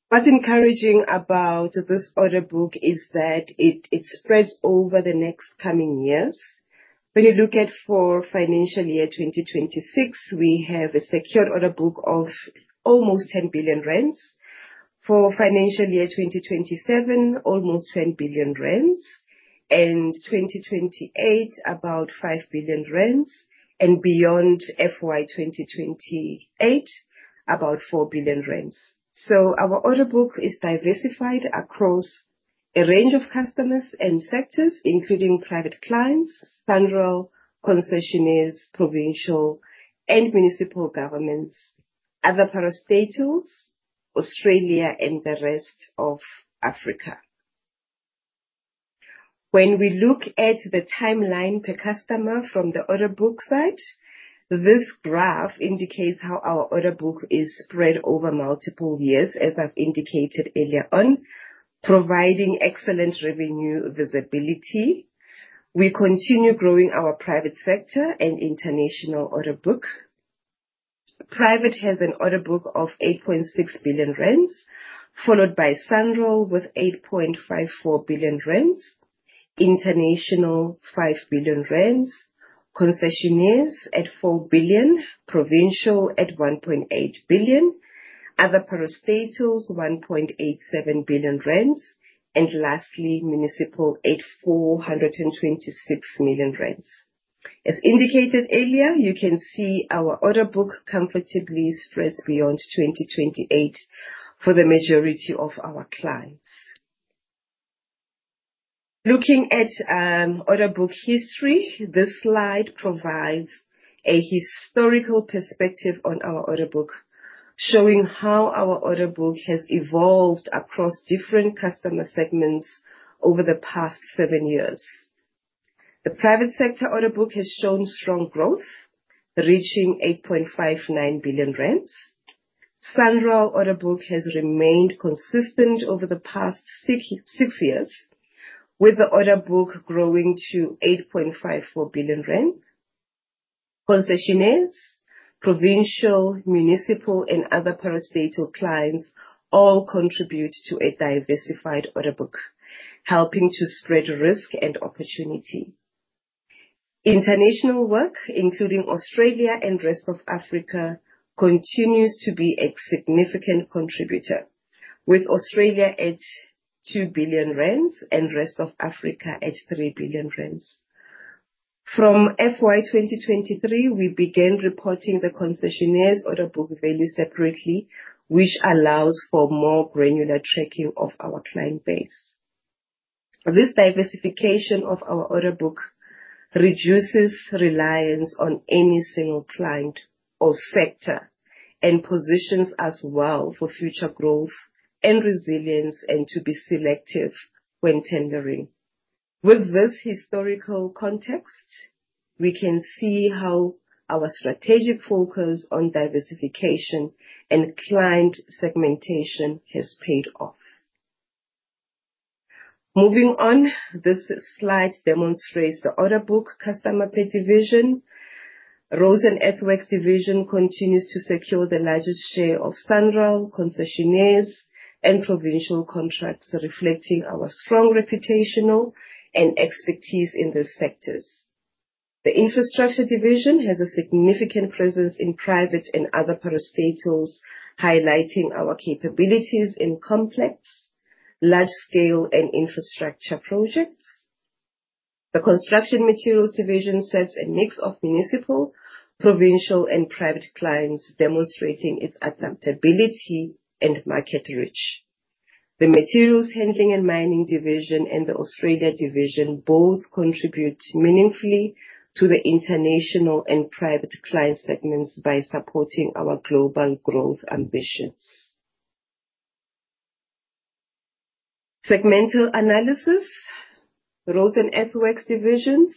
What's encouraging about this order book is that it spreads over the next coming years. When you look at for financial year 2026, we have a secured order book of almost 10 billion. For financial year 2027, almost 10 billion. And 2028, about 5 billion. And beyond FY 2028, about 4 billion. So our order book is diversified across a range of customers and sectors, including private clients, federal concessionaires, provincial and municipal governments, other parastatals, Australia, and the rest of Africa. When we look at the timeline per customer from the order book side, this graph indicates how our order book is spread over multiple years, as I've indicated earlier on, providing excellent revenue visibility. We continue growing our private sector and international order book. Private has an order book of 8.6 billion, followed by SANRAL with 8.54 billion, international 5 billion, concessionaires at 4 billion, provincial at 1.8 billion, other parastatals 1.87 billion, and lastly, municipal at 426 million. As indicated earlier, you can see our order book comfortably spreads beyond 2028 for the majority of our clients. Looking at order book history, this slide provides a historical perspective on our order book, showing how our order book has evolved across different customer segments over the past seven years. The private sector order book has shown strong growth, reaching 8.59 billion rand. SANRAL order book has remained consistent over the past six years, with the order book growing to 8.54 billion rand. Concessionaires, provincial, municipal, and other parastatal clients all contribute to a diversified order book, helping to spread risk and opportunity. International work, including Australia and the rest of Africa, continues to be a significant contributor, with Australia at 2 billion rand and the rest of Africa at 3 billion rand. From FY 2023, we began reporting the concessionaires' order book value separately, which allows for more granular tracking of our client base. This diversification of our order book reduces reliance on any single client or sector and positions us well for future growth and resilience and to be selective when tendering. With this historical context, we can see how our strategic focus on diversification and client segmentation has paid off. Moving on, this slide demonstrates the order book customer per division. Roads Authorities Division continues to secure the largest share of SANRAL concessionaires and provincial contracts, reflecting our strong reputation and expertise in the sectors. The infrastructure division has a significant presence in private and other parastatals, highlighting our capabilities in complex, large-scale, and infrastructure projects. The construction materials division serves a mix of municipal, provincial, and private clients, demonstrating its adaptability and market reach. The materials handling and mining division and the Australia division both contribute meaningfully to the international and private client segments by supporting our global growth ambitions. Segmental analysis. Our operating divisions.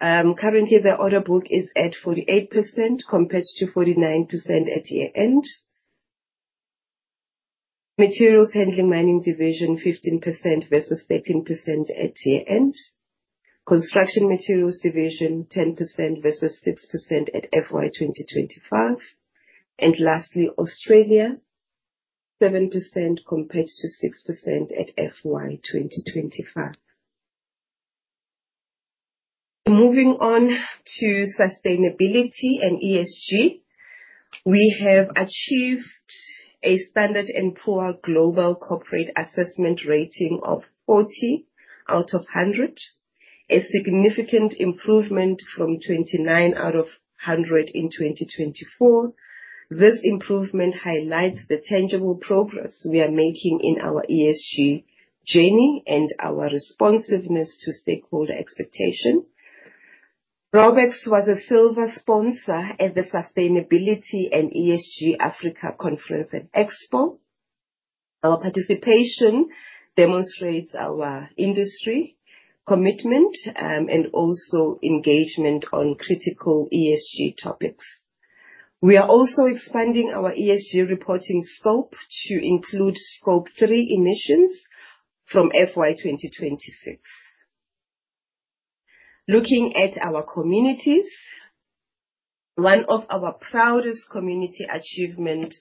Currently, the order book is at 48% compared to 49% at year-end. Materials handling mining division, 15% versus 13% at year-end. Construction materials division, 10% versus 6% at FY 2025. Lastly, Australia, 7% compared to 6% at FY 2025. Moving on to sustainability and ESG, we have achieved a Standard & Poor's global corporate assessment rating of 40 out of 100, a significant improvement from 29 out of 100 in 2024. This improvement highlights the tangible progress we are making in our ESG journey and our responsiveness to stakeholder expectations. Raubex was a silver sponsor at the Sustainability and ESG Africa Conference and Expo. Our participation demonstrates our industry commitment and also engagement on critical ESG topics. We are also expanding our ESG reporting scope to include Scope 3 emissions from FY 2026. Looking at our communities, one of our proudest community achievements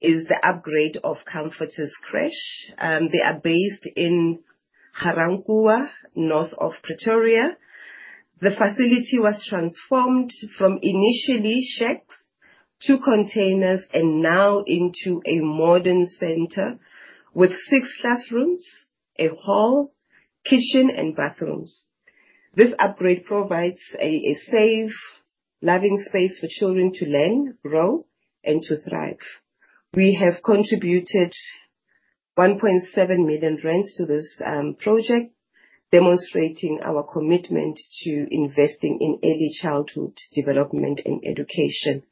is the upgrade of Comforter's Crèche. They are based in Ga-Rankuwa, north of Pretoria. The facility was transformed from initially shacks to containers and now into a modern center with six classrooms, a hall, kitchen, and bathrooms. This upgrade provides a safe, loving space for children to learn, grow, and to thrive. We have contributed 1.7 million to this project, demonstrating our commitment to investing in early childhood development and education.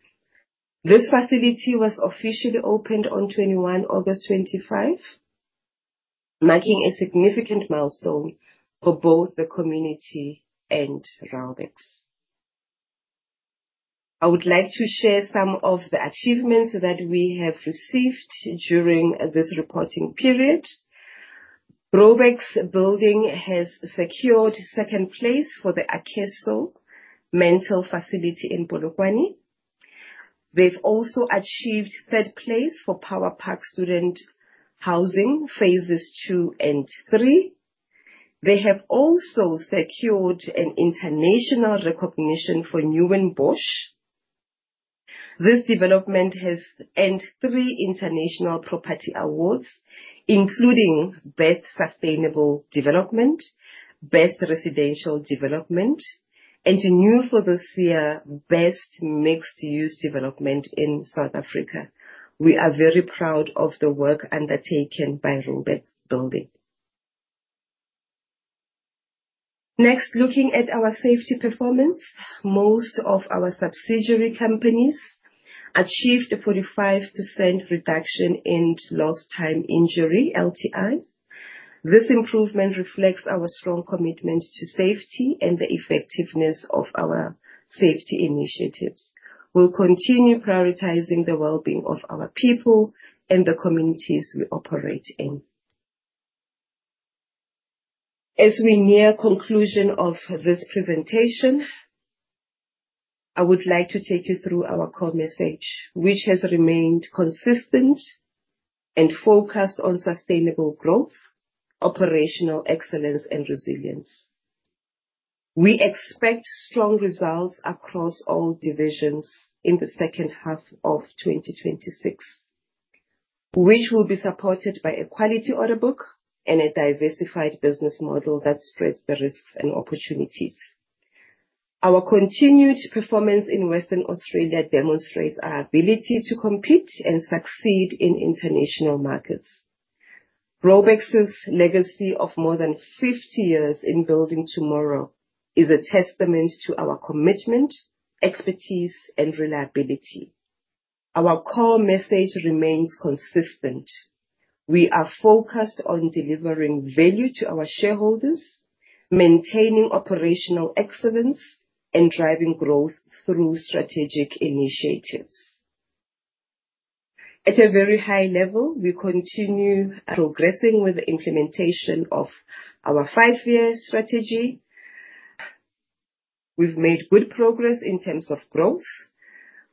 This facility was officially opened on 21 August 2025, marking a significant milestone for both the community and Raubex. I would like to share some of the achievements that we have received during this reporting period. Raubex Building has secured second place for the Akeso Mental Facility in Polokwane. They've also achieved third place for Power Park Student Housing, phases 2 and 3. They have also secured an international recognition for Newinbosch. This development has earned three international property awards, including Best Sustainable Development, Best Residential Development, and a new for this year, Best Mixed-Use Development in South Africa. We are very proud of the work undertaken by Raubex Building. Next, looking at our safety performance, most of our subsidiary companies achieved a 45% reduction in lost-time injury, LTI. This improvement reflects our strong commitment to safety and the effectiveness of our safety initiatives. We'll continue prioritizing the well-being of our people and the communities we operate in. As we near conclusion of this presentation, I would like to take you through our core message, which has remained consistent and focused on sustainable growth, operational excellence, and resilience. We expect strong results across all divisions in the second half of 2026, which will be supported by a quality order book and a diversified business model that spreads the risks and opportunities. Our continued performance in Western Australia demonstrates our ability to compete and succeed in international markets. Raubex's legacy of more than 50 years in building tomorrow is a testament to our commitment, expertise, and reliability. Our core message remains consistent. We are focused on delivering value to our shareholders, maintaining operational excellence, and driving growth through strategic initiatives. At a very high level, we continue progressing with the implementation of our five-year strategy. We've made good progress in terms of growth.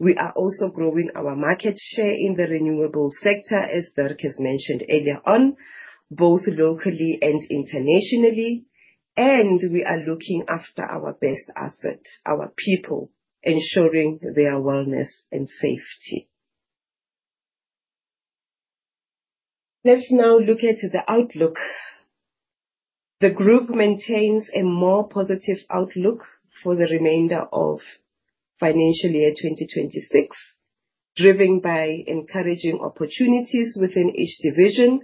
We are also growing our market share in the renewable sector, as Dirk has mentioned earlier on, both locally and internationally. We are looking after our best asset, our people, ensuring their wellness and safety. Let's now look at the outlook. The group maintains a more positive outlook for the remainder of financial year 2026, driven by encouraging opportunities within each division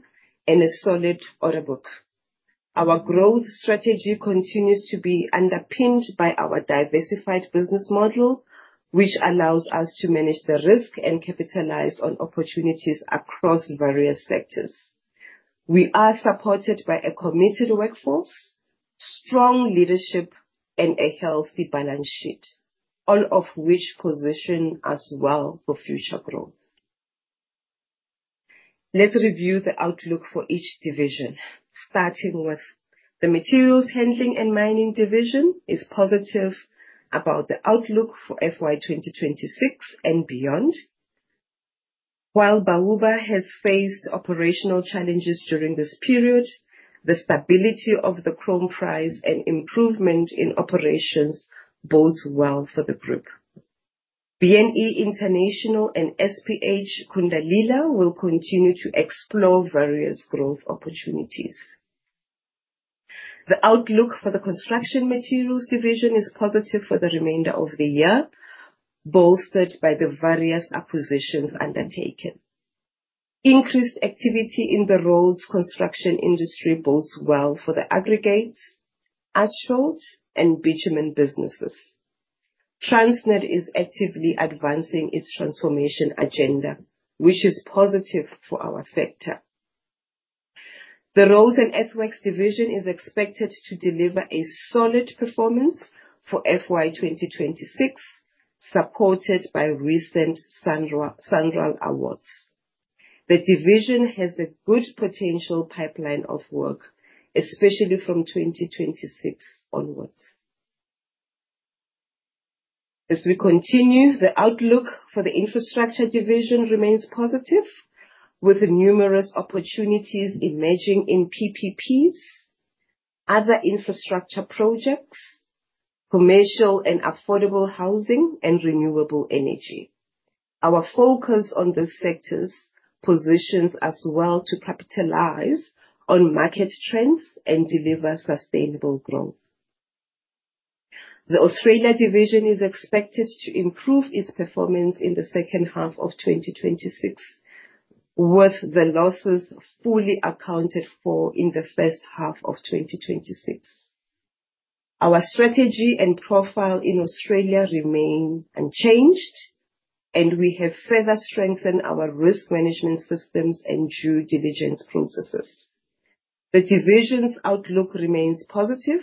and a solid order book. Our growth strategy continues to be underpinned by our diversified business model, which allows us to manage the risk and capitalize on opportunities across various sectors. We are supported by a committed workforce, strong leadership, and a healthy balance sheet, all of which position us well for future growth. Let's review the outlook for each division, starting with the materials handling and mining division. It's positive about the outlook for FY 2026 and beyond. While Bauba has faced operational challenges during this period, the stability of the chrome price and improvement in operations bode well for the group. B&E International and SPH Kundalila will continue to explore various growth opportunities. The outlook for the construction materials division is positive for the remainder of the year, bolstered by the various acquisitions undertaken. Increased activity in the roads construction industry bodes well for the aggregates, asphalt, and bitumen businesses. Transnet is actively advancing its transformation agenda, which is positive for our sector. The roads and earthworks division is expected to deliver a solid performance for FY 2026, supported by recent SANRAL awards. The division has a good potential pipeline of work, especially from 2026 onwards. As we continue, the outlook for the infrastructure division remains positive, with numerous opportunities emerging in PPPs, other infrastructure projects, commercial and affordable housing, and renewable energy. Our focus on these sectors positions us well to capitalize on market trends and deliver sustainable growth. The Australia division is expected to improve its performance in the second half of 2026, with the losses fully accounted for in the first half of 2026. Our strategy and profile in Australia remain unchanged, and we have further strengthened our risk management systems and due diligence processes. The division's outlook remains positive.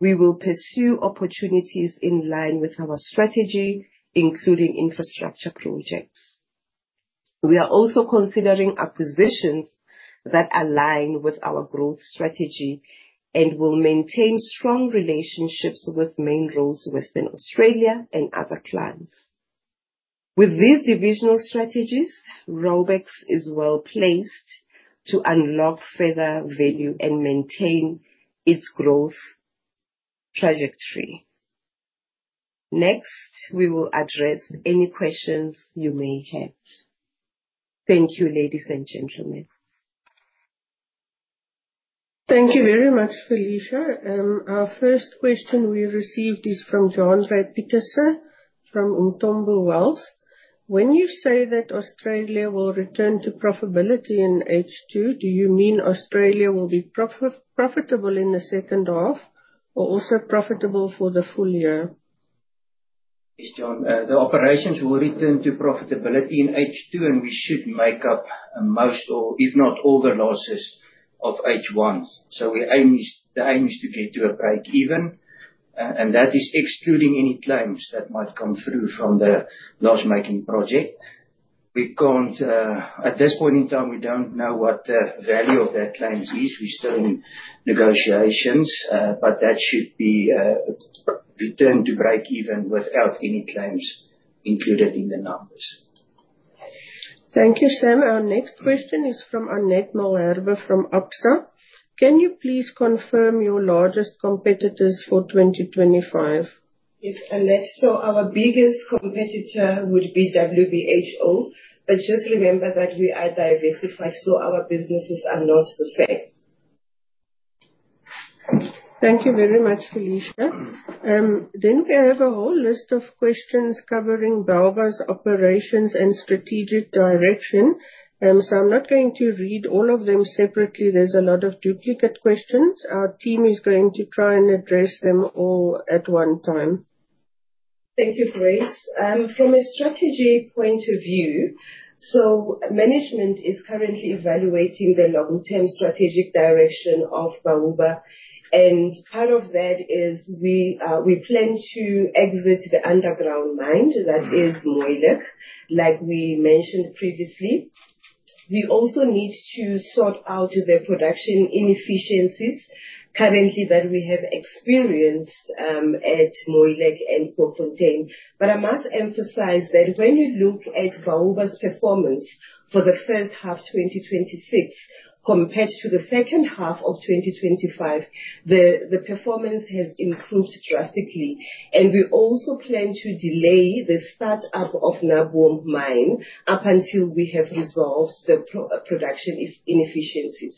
We will pursue opportunities in line with our strategy, including infrastructure projects. We are also considering acquisitions that align with our growth strategy and will maintain strong relationships with Main Roads in Western Australia and other clients. With these divisional strategies, Raubex is well placed to unlock further value and maintain its growth trajectory. Next, we will address any questions you may have. Thank you, ladies and gentlemen. Thank you very much, Felicia. Our first question we received is from John-Brad Petersen from Ngombe Wealth. When you say that Australia will return to profitability in H2, do you mean Australia will be profitable in the second half or also profitable for the full year? Yes, John. The operations will return to profitability in H2, and we should make up most, or if not all, the losses of H1. So the aim is to get to a break-even, and that is excluding any claims that might come through from the loss-making project. At this point in time, we don't know what the value of that claim is. We're still in negotiations, but that should be returned to break-even without any claims included in the numbers. Thank you, Sam. Our next question is from Anette Malherbe from Absa. Can you please confirm your largest competitors for 2025? Yes, Anette. So our biggest competitor would be WBHO, but just remember that we are diversified, so our businesses are not the same. Thank you very much, Felicia. Then we have a whole list of questions covering Bauba's operations and strategic direction. So I'm not going to read all of them separately. There's a lot of duplicate questions. Our team is going to try and address them all at one time. Thank you, Grace. From a strategy point of view, so management is currently evaluating the long-term strategic direction of Bauba, and part of that is we plan to exit the underground mine. That is Moeijelijk, like we mentioned previously. We also need to sort out the production inefficiencies currently that we have experienced at Moeijelijk and Kookfontein. But I must emphasize that when you look at Bauba's performance for the first half of 2026 compared to the second half of 2025, the performance has improved drastically. And we also plan to delay the startup of Naboom Mine up until we have resolved the production inefficiencies.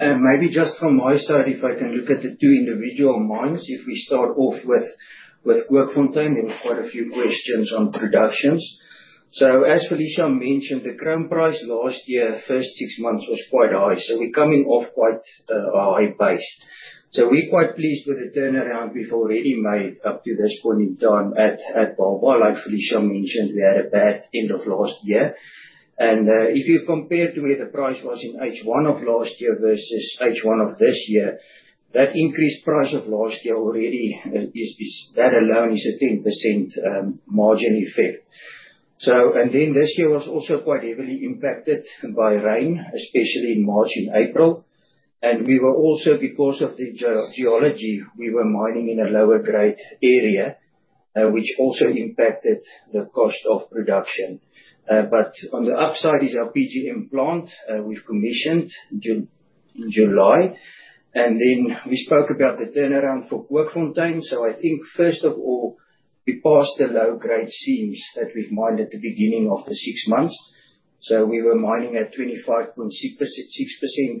Maybe just from my side, if I can look at the two individual mines, if we start off with Kookfontein, there were quite a few questions on productions. So as Felicia mentioned, the chrome price last year, first six months, was quite high. So we're coming off quite a high base. So we're quite pleased with the turnaround we've already made up to this point in time at Bauba. Like Felicia mentioned, we had a bad end of last year. And if you compare to where the price was in H1 of last year versus H1 of this year, that increased price of last year already, that alone is a 10% margin effect. And then this year was also quite heavily impacted by rain, especially in March and April. And because of the geology, we were mining in a lower-grade area, which also impacted the cost of production. But on the upside is our PGM plant we've commissioned in July. And then we spoke about the turnaround for Kookfontein. So I think, first of all, we passed the low-grade seams that we've mined at the beginning of the six months. So we were mining at 25.6%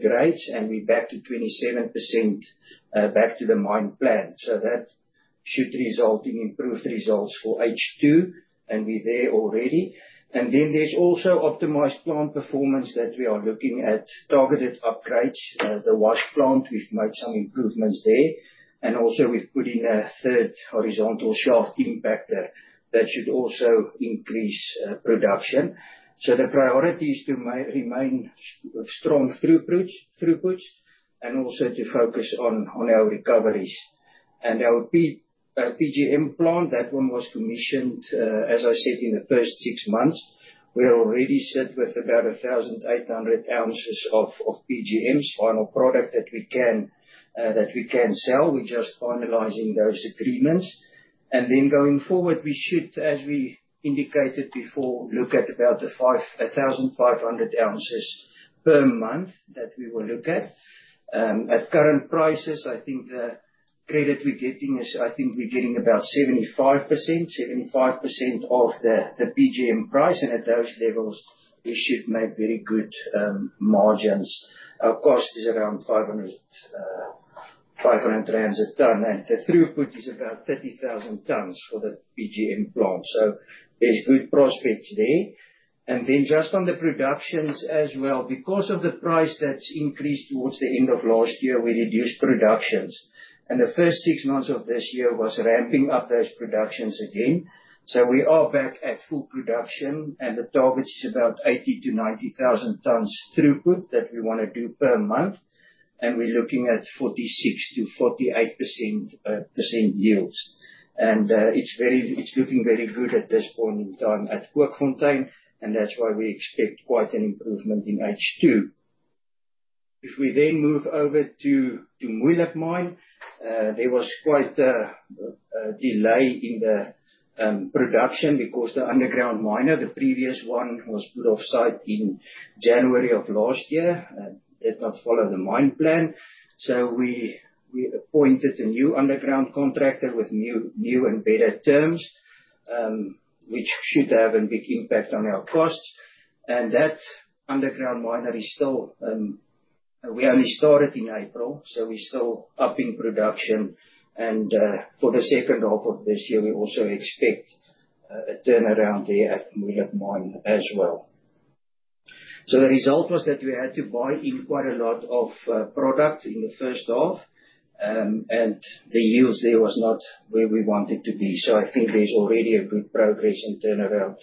grades, and we're back to 27% back to the mine plan. So that should result in improved results for H2, and we're there already. And then there's also optimized plant performance that we are looking at. Targeted upgrades, the wash plant, we've made some improvements there. And also, we've put in a third horizontal shaft impactor that should also increase production. So the priority is to remain strong throughputs and also to focus on our recoveries. And our PGM plant, that one was commissioned, as I said, in the first six months. We already sit with about 1,800 ounces of PGMs, final product that we can sell. We're just finalizing those agreements. And then going forward, we should, as we indicated before, look at about 1,500 ounces per month that we will look at. At current prices, I think the credit we're getting is, I think we're getting about 75%, 75% of the PGM price. And at those levels, we should make very good margins. Our cost is around 500 a ton, and the throughput is about 30,000 tons for the PGM plant. So there's good prospects there. And then just on the productions as well, because of the price that's increased towards the end of last year, we reduced productions. And the first six months of this year was ramping up those productions again. So we are back at full production, and the target is about 80,000 tons-90,000 tons throughput that we want to do per month. And we're looking at 46%-48% yields. And it's looking very good at this point in time at Kookfontein, and that's why we expect quite an improvement in H2. If we then move over to Moeijelijk Mine, there was quite a delay in the production because the underground miner, the previous one, was put off site in January of last year. It did not follow the mine plan. So we appointed a new underground contractor with new and better terms, which should have a big impact on our costs. And that underground miner is still, we only started in April, so we're still upping production. And for the second half of this year, we also expect a turnaround there at Moeijelijk Mine as well. So the result was that we had to buy in quite a lot of product in the first half, and the yields there were not where we wanted to be. So I think there's already a good progress and turnaround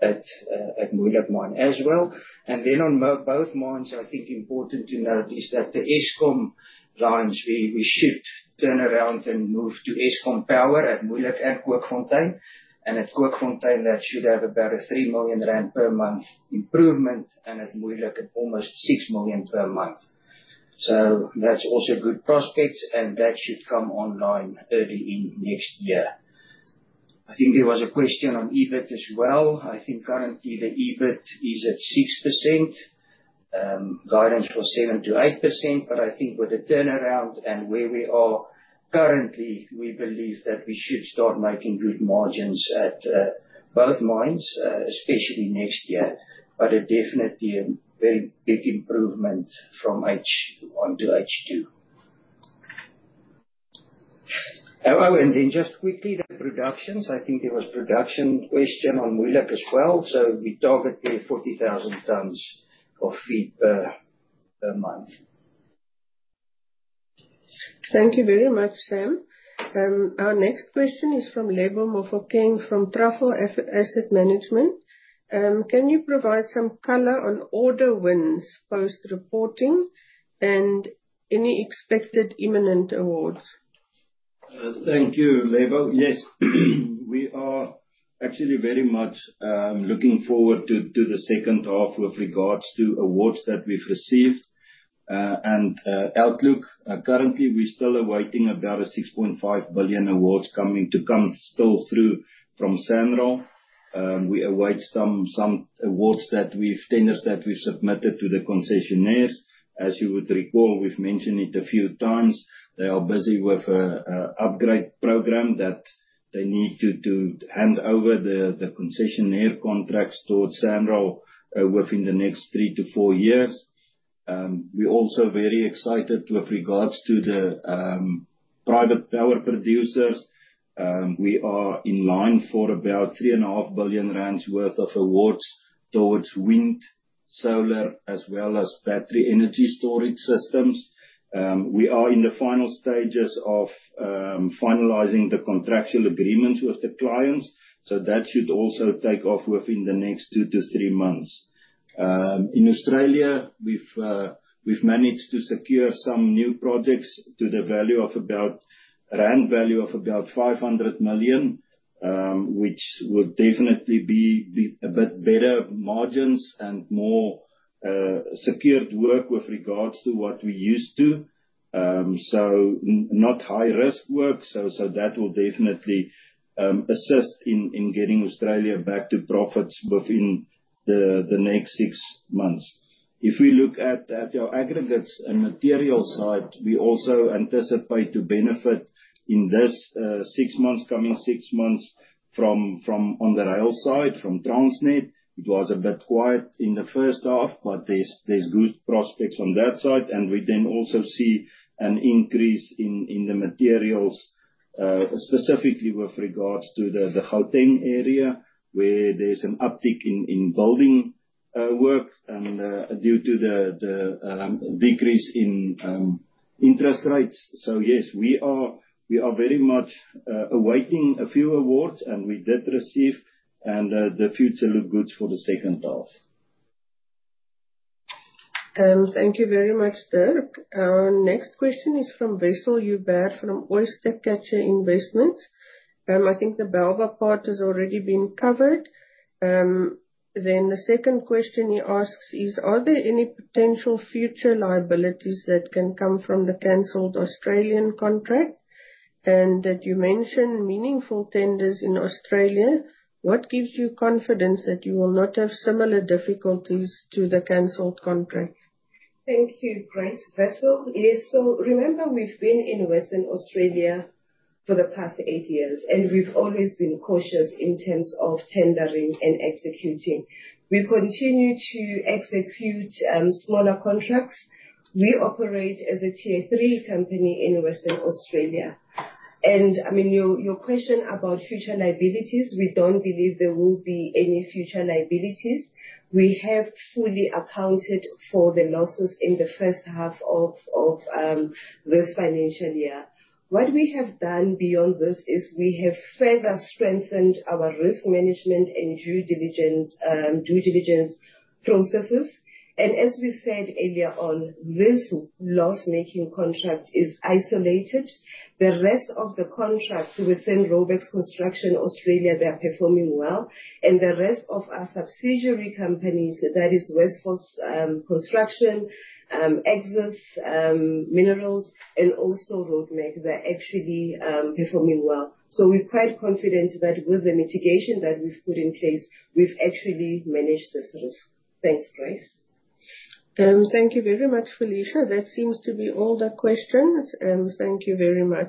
at Moeijelijk Mine as well. And then on both mines, I think important to note is that the Eskom lines, we should turn around and move to Eskom Power at Moeijelijk and Kookfontein. And at Kookfontein, that should have about a 3 million rand per month improvement, and at Moeijelijk, almost 6 million per month. So that's also good prospects, and that should come online early in next year. I think there was a question on EBIT as well. I think currently, the EBIT is at 6%. Guidance was 7%-8%. But I think with the turnaround and where we are currently, we believe that we should start making good margins at both mines, especially next year. But it's definitely a very big improvement from H1 to H2. And then just quickly, the productions, I think there was a production question on Moeijelijk as well. So we target there 40,000 tons of feed per month. Thank you very much, Sam. Our next question is from Lebohang Mofokeng from Truffle Asset Management. Can you provide some color on order wins post-reporting and any expected imminent awards? Thank you, Lebo. Yes. We are actually very much looking forward to the second half with regards to awards that we've received. Currently, we're still awaiting about 6.5 billion awards to come still through from SANRAL. We await some awards that we've tenders that we've submitted to the concessionaires. As you would recall, we've mentioned it a few times. They are busy with an upgrade program that they need to hand over the concessionaire contracts towards SANRAL within the next three to four years. We're also very excited with regards to the private power producers. We are in line for about 3.5 billion rands' worth of awards towards wind, solar, as well as battery energy storage systems. We are in the final stages of finalizing the contractual agreements with the clients. That should also take off within the next two to three months. In Australia, we've managed to secure some new projects to the value of about 500 million, which will definitely be a bit better margins and more secured work with regards to what we used to, so not high-risk work. So that will definitely assist in getting Australia back to profits within the next six months. If we look at our aggregates and material side, we also anticipate to benefit in these coming six months from on the rail side, from Transnet. It was a bit quiet in the first half, but there's good prospects on that side. And we then also see an increase in the materials, specifically with regards to the Gauteng area, where there's an uptick in building work due to the decrease in interest rates. So yes, we are very much awaiting a few awards, and we did receive. The future looks good for the second half. Thank you very much, Dirk. Our next question is from Wessel Joubert from Oyster Catcher Investments. I think the Bauba part has already been covered. Then the second question he asks is, are there any potential future liabilities that can come from the cancelled Australian contract? And that you mentioned meaningful tenders in Australia. What gives you confidence that you will not have similar difficulties to the cancelled contract? Thank you, Grace. Wessel. Yes. So remember, we've been in Western Australia for the past eight years, and we've always been cautious in terms of tendering and executing. We continue to execute smaller contracts. We operate as a Tier III company in Western Australia. And I mean, your question about future liabilities, we don't believe there will be any future liabilities. We have fully accounted for the losses in the first half of this financial year. What we have done beyond this is we have further strengthened our risk management and due diligence processes. And as we said earlier on, this loss-making contract is isolated. The rest of the contracts within Raubex Construction Australia, they're performing well. And the rest of our subsidiary companies, that is Westforce Construction, Axis Mineral Services, and also Roadmac, they're actually performing well. We're quite confident that with the mitigation that we've put in place, we've actually managed this risk. Thanks, Grace. Thank you very much, Felicia. That seems to be all the questions. Thank you very much.